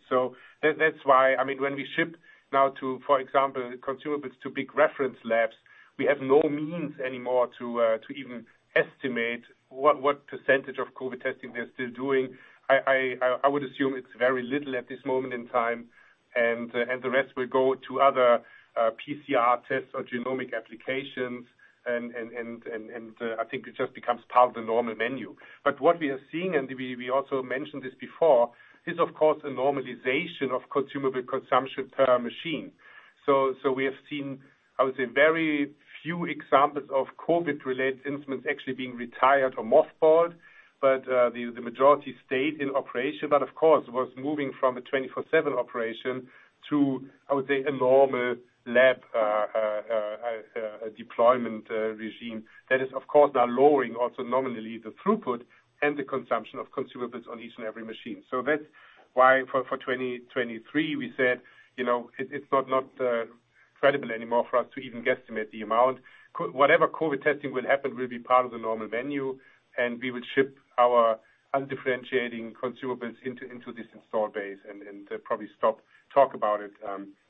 That's why, I mean, when we ship now to, for example, consumables to big reference labs, we have no means anymore to even estimate what percentage of COVID testing they're still doing. I would assume it's very little at this moment in time, and the rest will go to other PCR tests or genomic applications. I think it just becomes part of the normal menu. What we are seeing, and we also mentioned this before, is of course a normalization of consumable consumption per machine. We have seen, I would say, very few examples of COVID-related instruments actually being retired or mothballed. The majority stayed in operation, but of course was moving from a 24/7 operation to, I would say, a normal lab deployment regime that is of course now lowering also nominally the throughput and the consumption of consumables on each and every machine. That's why for 2023 we said, you know, it's not credible anymore for us to even guesstimate the amount. Whatever COVID testing will happen will be part of the normal menu, and we will ship our undifferentiating consumables into this install base and probably stop, talk about it,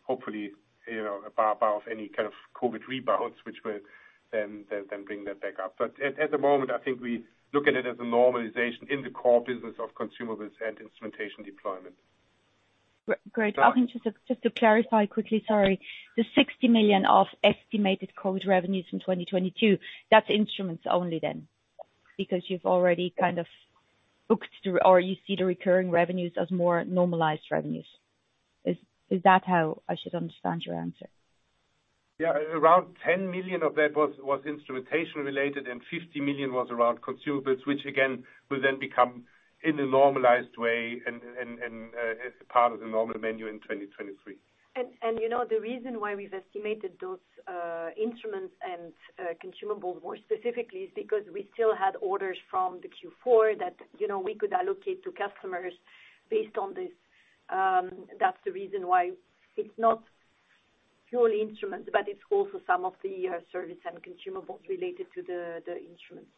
hopefully, you know, apart of any kind of COVID rebounds, which will then bring that back up. At the moment, I think we look at it as a normalization in the core business of consumables and instrumentation deployment. Great. I think just to clarify quickly, sorry, the 60 million of estimated COVID revenues in 2022, that's instruments only then? Because you've already kind of booked or you see the recurring revenues as more normalized revenues. Is that how I should understand your answer? Yeah. Around 10 million of that was instrumentation related, and 50 million was around consumables, which again, will then become in a normalized way and as part of the normal menu in 2023. you know, the reason why we've estimated those instruments and consumables more specifically is because we still had orders from the Q4 that, you know, we could allocate to customers based on this. That's the reason why it's not purely instruments, but it's also some of the service and consumables related to the instruments.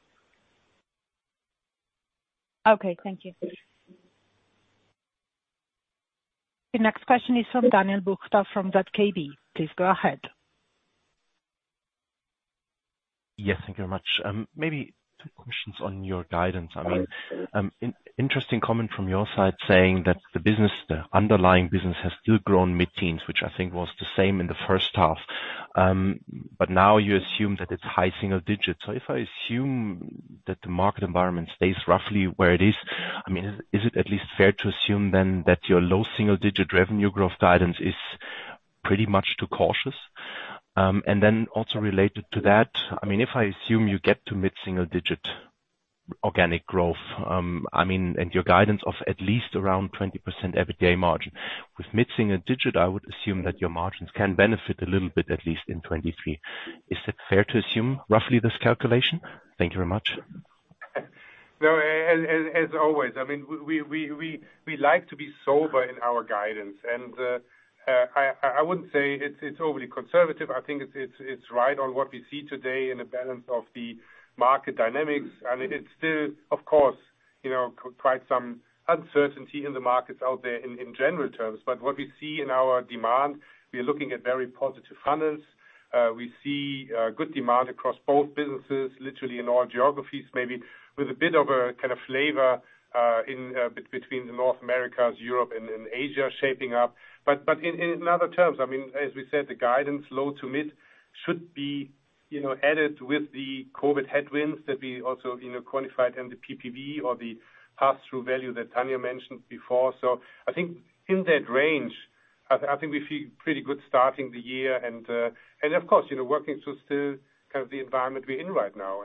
Okay. Thank you. The next question is from Daniel Buchta from Zürcher Kantonalbank. Please go ahead. Yes, thank you very much. Maybe two questions on your guidance. I mean, interesting comment from your side saying that the business, the underlying business has still grown mid-teens, which I think was the same in the first half. Now you assume that it's high single digits. If I assume that the market environment stays roughly where it is, I mean, is it at least fair to assume then that your low single digit revenue growth guidance is pretty much too cautious? Then also related to that, I mean, if I assume you get to mid-single digit organic growth, I mean, and your guidance of at least around 20% EBITDA margin, with mid-single digit, I would assume that your margins can benefit a little bit, at least in 2023. Is it fair to assume roughly this calculation? Thank you very much. No, as always, I mean, we like to be sober in our guidance. I wouldn't say it's overly conservative. I think it's right on what we see today in the balance of the market dynamics. I mean, it's still, you know, quite some uncertainty in the markets out there in general terms. What we see in our demand, we are looking at very positive funnels. We see good demand across both businesses, literally in all geographies, maybe with a bit of a kind of flavor in between the North Americas, Europe and Asia shaping up. In other terms, I mean, as we said, the guidance low to mid should be, you know, added with the COVID headwinds that we also, you know, quantified and the PPV or the pass-through value that Tania mentioned before. I think in that range, I think we feel pretty good starting the year and of course, you know, working through still kind of the environment we're in right now.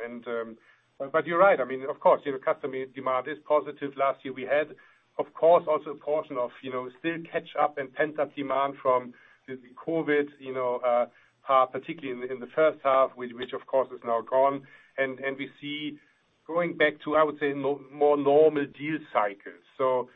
You're right. I mean, of course, you know, customer demand is positive. Last year we had, of course, also a portion of, you know, still catch up and pent-up demand from the COVID, you know, part, particularly in the first half, which of course is now gone. We see going back to, I would say, more normal deal cycles.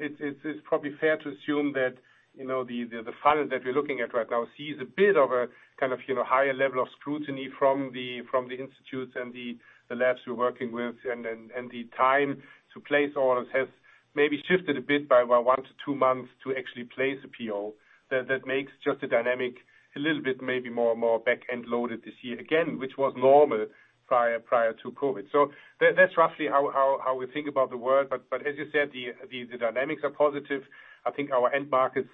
It's probably fair to assume that, you know, the funnel that we're looking at right now sees a bit of a kind of, you know, higher level of scrutiny from the institutes and the labs we're working with. The time to place orders has maybe shifted a bit by 1-2 months to actually place a PO. That makes just the dynamic a little bit, maybe more and more back-end loaded this year again, which was normal prior to COVID. That's roughly how we think about the world. As you said, the dynamics are positive. I think our end markets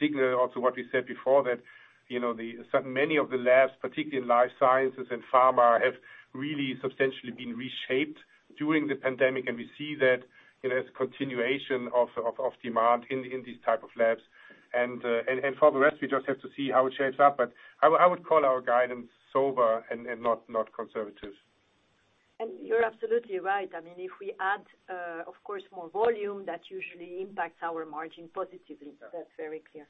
signal also what we said before, that, you know, certain many of the labs, particularly in life sciences and pharma, have really substantially been reshaped during the pandemic, and we see that, you know, as a continuation of demand in these type of labs. For the rest, we just have to see how it shapes up. I would call our guidance sober and not conservative. You're absolutely right. I mean, if we add, of course more volume, that usually impacts our margin positively. Sure. That's very clear.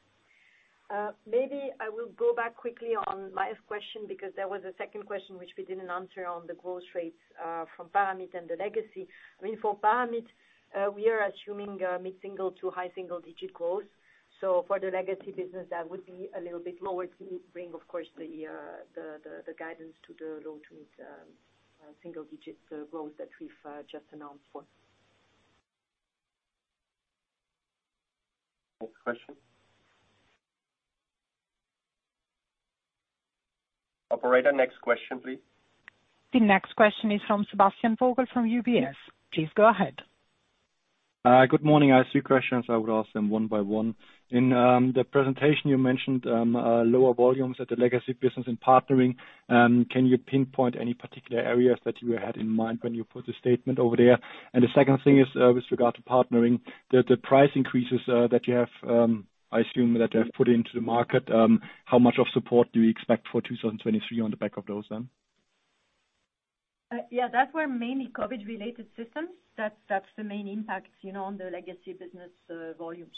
maybe I will go back quickly on Maja's question because there was a second question which we didn't answer on the growth rates from Paramit and the legacy. I mean, for Paramit, we are assuming mid-single to high single-digit growth. For the legacy business, that would be a little bit lower to bring, of course, the guidance to the low to mid single-digit growth that we've just announced for. Next question. Operator, next question, please. The next question is from Sebastian Vogel from UBS. Please go ahead. Good morning. I have 3 questions. I will ask them one by one. In the presentation you mentioned lower volumes at the legacy business in partnering. Can you pinpoint any particular areas that you had in mind when you put the statement over there? The second thing is, with regard to partnering, the price increases that you have, I assume that they've put into the market, how much of support do you expect for 2023 on the back of those? Yeah, that's where mainly COVID-related systems. That's the main impact, you know, on the legacy business volumes.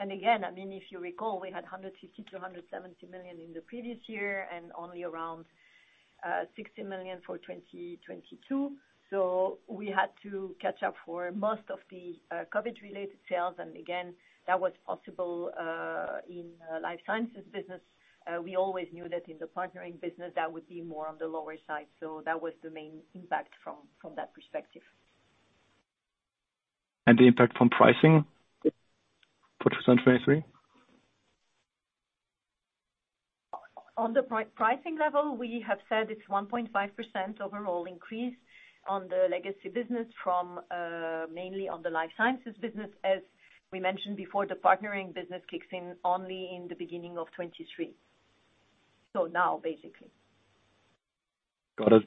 I mean, if you recall, we had 150 million-170 million in the previous year and only around 60 million for 2022. We had to catch up for most of the COVID-related sales. That was possible in life sciences business. We always knew that in the partnering business, that would be more on the lower side. That was the main impact from that perspective. The impact from pricing for 2023? On the pricing level, we have said it's 1.5% overall increase on the legacy business from, mainly on the life sciences business. As we mentioned before, the partnering business kicks in only in the beginning of 2023. Now, basically. Got it.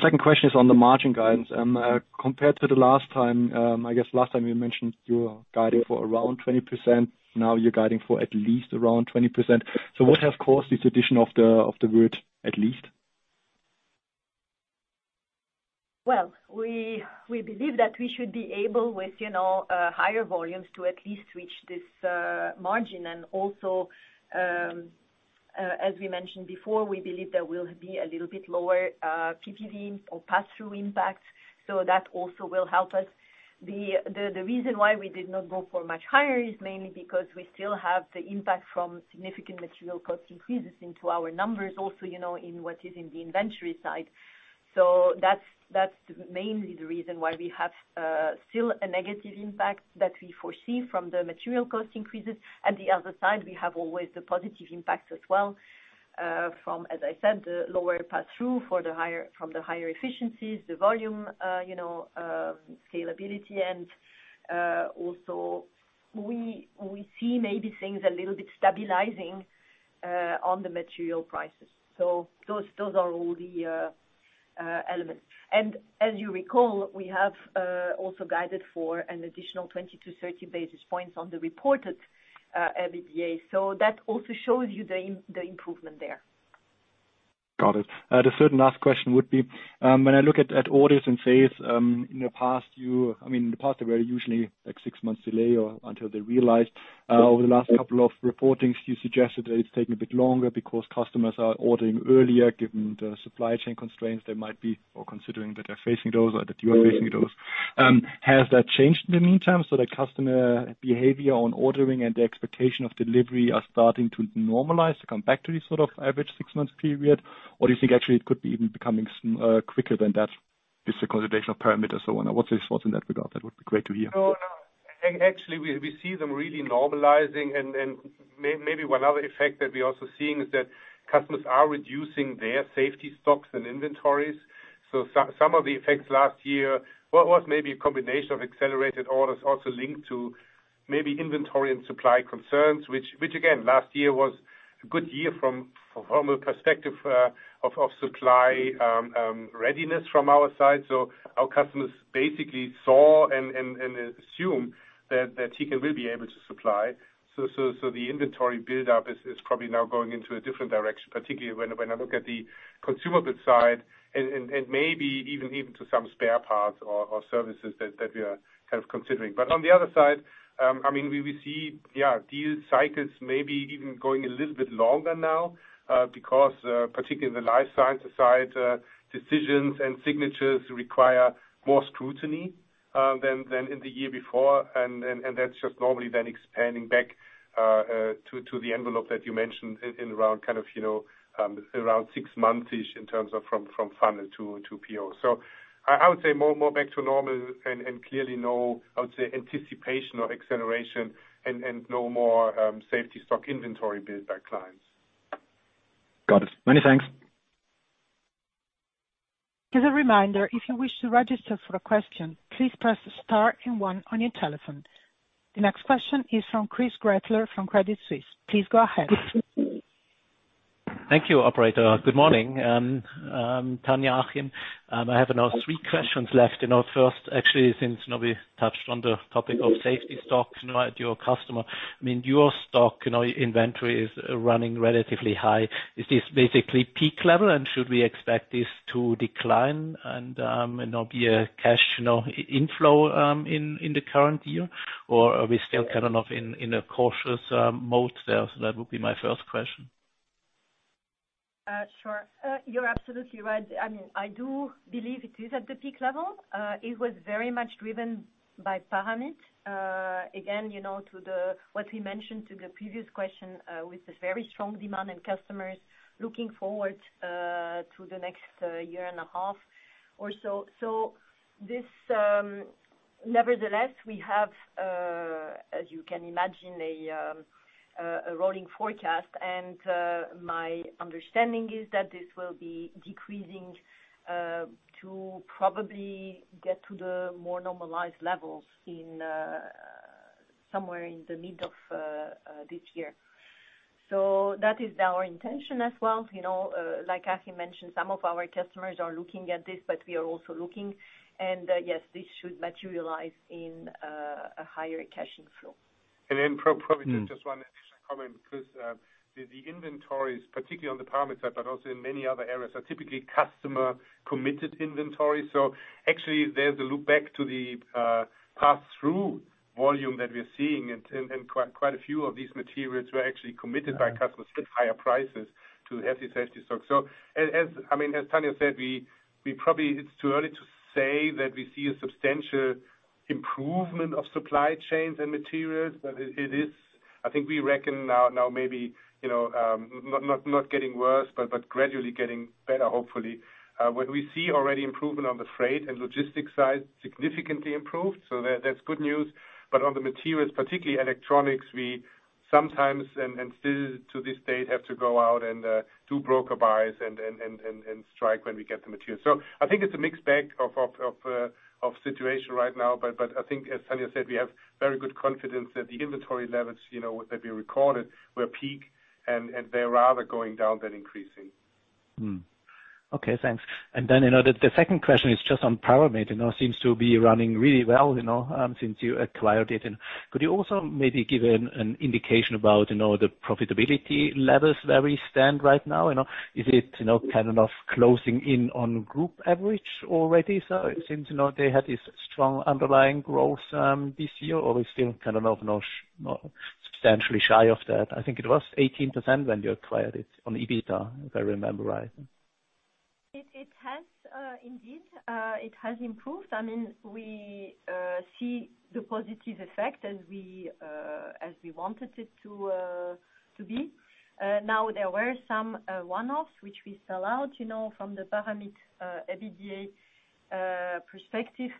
Second question is on the margin guidance. Compared to the last time, I guess last time you mentioned you were guiding for around 20%. Now you're guiding for at least around 20%. What has caused this addition of the word at least? Well, we believe that we should be able with, you know, higher volumes to at least reach this margin. Also, as we mentioned before, we believe there will be a little bit lower PPV or pass-through impact, so that also will help us. The reason why we did not go for much higher is mainly because we still have the impact from significant material cost increases into our numbers, also, you know, in what is in the inventory side. That's mainly the reason why we have still a negative impact that we foresee from the material cost increases. At the other side, we have always the positive impacts as well, from, as I said, the lower pass-through for the higher from the higher efficiencies, the volume, you know, scalability. Also we see maybe things a little bit stabilizing on the material prices. Those are all the elements. As you recall, we have also guided for an additional 20-30 basis points on the reported EBITDA. That also shows you the improvement there. Got it. The third and last question would be, when I look at orders and sales, in the past they were usually like 6 months delay or until they realized. Over the last couple of reportings you suggested that it's taking a bit longer because customers are ordering earlier, given the supply chain constraints they might be, or considering that they're facing those or that you are facing those. Has that changed in the meantime, so the customer behavior on ordering and the expectation of delivery are starting to normalize to come back to the sort of average 6 months period? Or do you think actually it could be even becoming quicker than that with the consolidation of Paramit and so on? What's your thoughts in that regard? That would be great to hear. Actually, we see them really normalizing and maybe one other effect that we're also seeing is that customers are reducing their safety stocks and inventories. Some of the effects last year was maybe a combination of accelerated orders also linked to maybe inventory and supply concerns, which again, last year was a good year from a perspective of supply readiness from our side. Our customers basically saw and assume that Tecan will be able to supply. The inventory buildup is probably now going into a different direction, particularly when I look at the consumable side and maybe even to some spare parts or services that we are kind of considering. On the other side, I mean, we will see, yeah, deal cycles maybe even going a little bit longer now, because particularly the life sciences side, decisions and signatures require more scrutiny than in the year before. That's just normally then expanding back to the envelope that you mentioned in around you know, around 6 months-ish in terms of from funnel to PO. I would say more back to normal and clearly no, I would say anticipation or acceleration and no more safety stock inventory built by clients. Got it. Many thanks. As a reminder, if you wish to register for a question, please press star and one on your telephone. The next question is from Christoph Gretler from Credit Suisse. Please go ahead. Thank you, operator. Good morning. Tania, Achim, I have now three questions left. You know, first actually since, you know, we touched on the topic of safety stocks, you know, at your customer. I mean, your stock, you know, inventory is running relatively high. Is this basically peak level, and should we expect this to decline and, you know, be a cash, you know, inflow, in the current year? Or are we still kind of in a cautious mode there? That would be my first question. Sure. You're absolutely right. I mean, I do believe it is at the peak level. It was very much driven by Paramit. Again, you know, to the what we mentioned to the previous question, with the very strong demand and customers looking forward to the next year and a half or so. Nevertheless, we have, as you can imagine, a rolling forecast and my understanding is that this will be decreasing to probably get to the more normalized levels in somewhere in the mid of this year. That is our intention as well. You know, like Achim mentioned, some of our customers are looking at this, but we are also looking and yes, this should materialize in a higher cash flow. Probably just one additional comment, Chris. The inventories, particularly on the Paramit side, but also in many other areas, are typically customer-committed inventory. Actually there's a loop back to the pass through volume that we're seeing and quite a few of these materials were actually committed by customers at higher prices to have these safety stocks. As I mean, as Tania said, we probably it's too early to say that we see a substantial improvement of supply chains and materials. It is, I think we reckon now maybe, you know, not getting worse, but gradually getting better, hopefully. What we see already improvement on the freight and logistics side, significantly improved. That's good news. On the materials, particularly electronics, we sometimes and still to this date, have to go out and do broker buys and strike when we get the material. I think it's a mixed bag of situation right now. I think as Tania said, we have very good confidence that the inventory levels, you know, that we recorded were peak and they're rather going down than increasing. Okay, thanks. Then, you know, the second question is just on Paramit, you know, seems to be running really well, you know, since you acquired it. Could you also maybe give an indication about, you know, the profitability levels where we stand right now, you know? Is it, you know, kind of closing in on group average already, since, you know, they had this strong underlying growth this year, or we still kind of not substantially shy of that? I think it was 18% when you acquired it on EBITDA, if I remember right. It has indeed it has improved. I mean, we see the positive effect as we as we wanted it to to be. Now there were some one-offs which we sell out, you know, from the Paramit EBITDA perspective.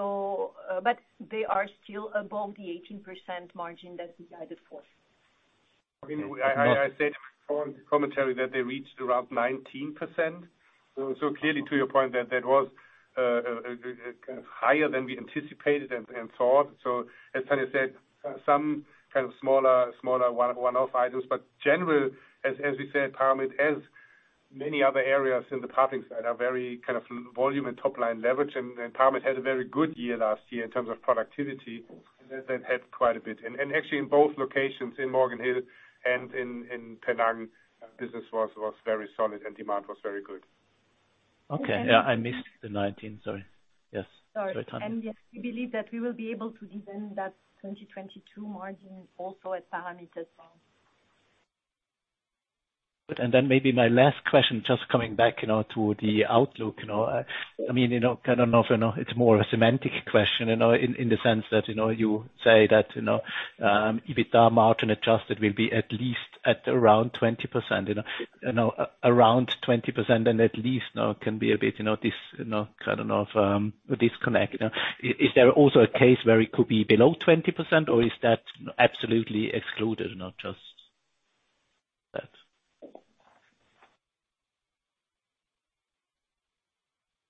But they are still above the 18% margin that we guided for. I mean, I said on the commentary that they reached around 19%. Clearly to your point that that was kind of higher than we anticipated and thought. As Tania said, some kind of smaller one-off items. Generally, as we said, Paramit has many other areas in the toppings that are very kind of volume and top-line leverage. Paramit had a very good year last year in terms of productivity. That had quite a bit. Actually in both locations in Morgan Hill and in Penang, business was very solid and demand was very good. Okay. Yeah, I missed the 19, sorry. Yes. Sorry. Go ahead, Tania. yes, we believe that we will be able to defend that 22% margin also at Paramit as well. Good. Then maybe my last question just coming back, you know, to the outlook, you know. I mean, you know, kind of, you know, it's more a semantic question, you know, in the sense that, you know, you say that, you know, EBITDA margin adjusted will be at least at around 20%, you know. You know, around 20% and at least now can be a bit, you know, kind of, disconnect. Is there also a case where it could be below 20% or is that absolutely excluded?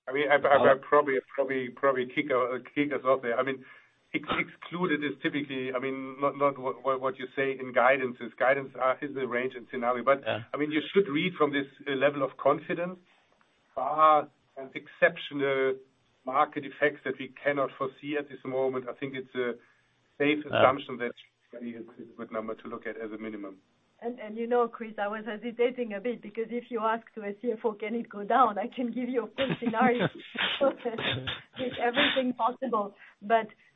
I mean, I probably kick us off there. I mean, excluded is typically, I mean, not what you say in guidance is guidance, is a range and scenario. Yeah. I mean, you should read from this level of confidence. Bar some exceptional market effects that we cannot foresee at this moment, I think it's a safe assumption. Yeah. that it's a good number to look at as a minimum. You know, Chris, I was hesitating a bit because if you ask to a CFO can it go down, I can give you a full scenario with everything possible.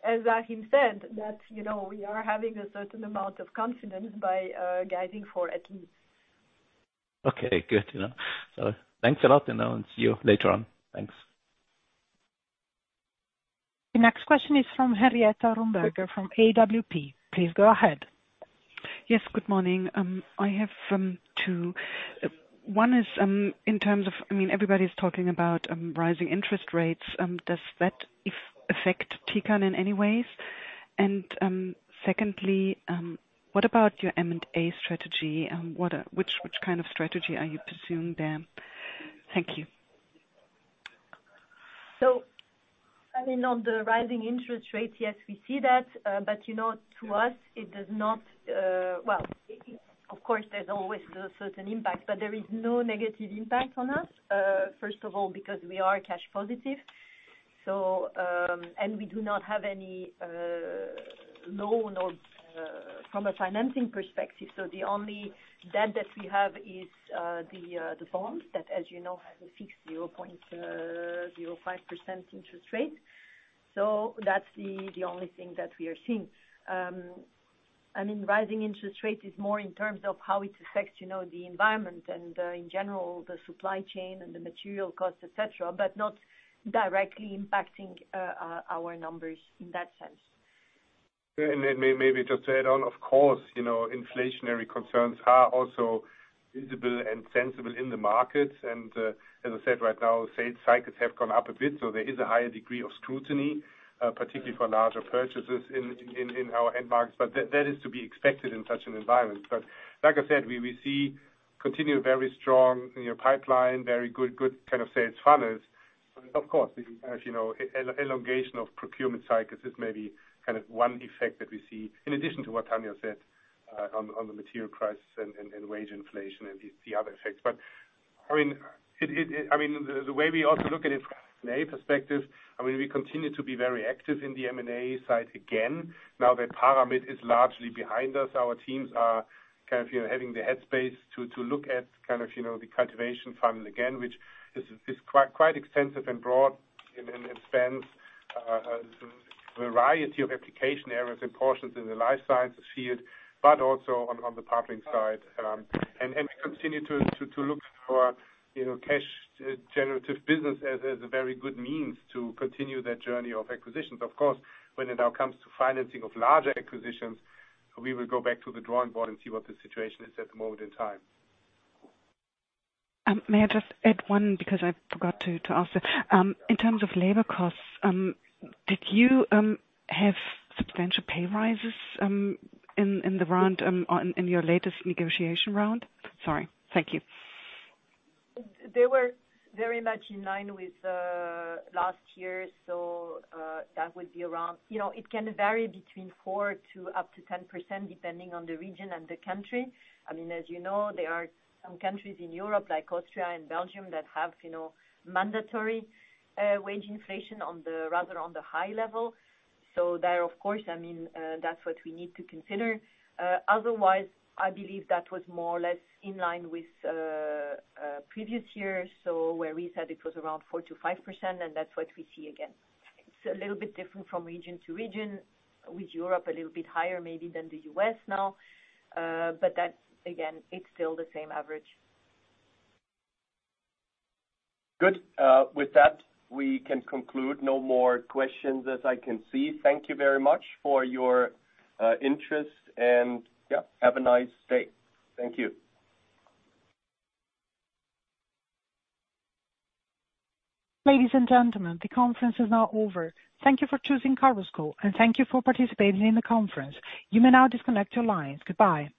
As Achim said, that, you know, we are having a certain amount of confidence by guiding for at least. Okay, good to know. Thanks a lot. I'll see you later on. Thanks. The next question is from Henrietta Romberg from AWP. Please go ahead. Yes, good morning. I have two. One is in terms of, I mean, everybody's talking about rising interest rates. Does that affect Tecan in any ways? Secondly, what about your M&A strategy? Which kind of strategy are you pursuing there? Thank you. I mean, on the rising interest rates, yes, we see that. You know, to us, it does not. Well, of course there's always a certain impact, but there is no negative impact on us. First of all, because we are cash positive, and we do not have any loan or from a financing perspective. The only debt that we have is the bonds that, as you know, have a fixed 0.05% interest rate. That's the only thing that we are seeing. I mean, rising interest rate is more in terms of how it affects, you know, the environment and in general, the supply chain and the material costs, et cetera, but not directly impacting our numbers in that sense. Yeah. Maybe just to add on, of course, you know, inflationary concerns are also visible and sensible in the markets. As I said, right now, sales cycles have gone up a bit, so there is a higher degree of scrutiny, particularly for larger purchases in our end markets. That is to be expected in such an environment. Like I said, we will see continued very strong, you know, pipeline, very good kind of sales funnels. Of course, as you know, elongation of procurement cycles is maybe kind of one effect that we see in addition to what Tania said, on the material prices and wage inflation and the other effects. I mean, it... I mean, the way we also look at it from an M&A perspective, I mean, we continue to be very active in the M&A side again. Now that Paramit is largely behind us, our teams are kind of, you know, having the head space to look at kind of, you know, the cultivation funnel again, which is quite extensive and broad and spans a variety of application areas and portions in the life sciences field, but also on the partnering side. We continue to look for, you know, cash generative business as a very good means to continue that journey of acquisitions. Of course, when it now comes to financing of larger acquisitions, we will go back to the drawing board and see what the situation is at the moment in time. May I just add one, because I forgot to ask it. In terms of labor costs, did you have substantial pay rises in the round in your latest negotiation round? Sorry. Thank you. They were very much in line with last year's. That would be around... You know, it can vary between 4%-10%, depending on the region and the country. I mean, as you know, there are some countries in Europe, like Austria and Belgium, that have, you know, mandatory wage inflation on the, rather on the high level. There, of course, I mean, that's what we need to consider. Otherwise, I believe that was more or less in line with previous years. Where we said it was around 4%-5%, and that's what we see again. It's a little bit different from region to region, with Europe a little bit higher maybe than the U.S. now. That's again, it's still the same average. Good. With that, we can conclude. No more questions as I can see. Thank you very much for your, interest and yeah, have a nice day. Thank you. Ladies and gentlemen, the conference is now over. Thank you for choosing Chorus Call, and thank you for participating in the conference. You may now disconnect your lines. Goodbye.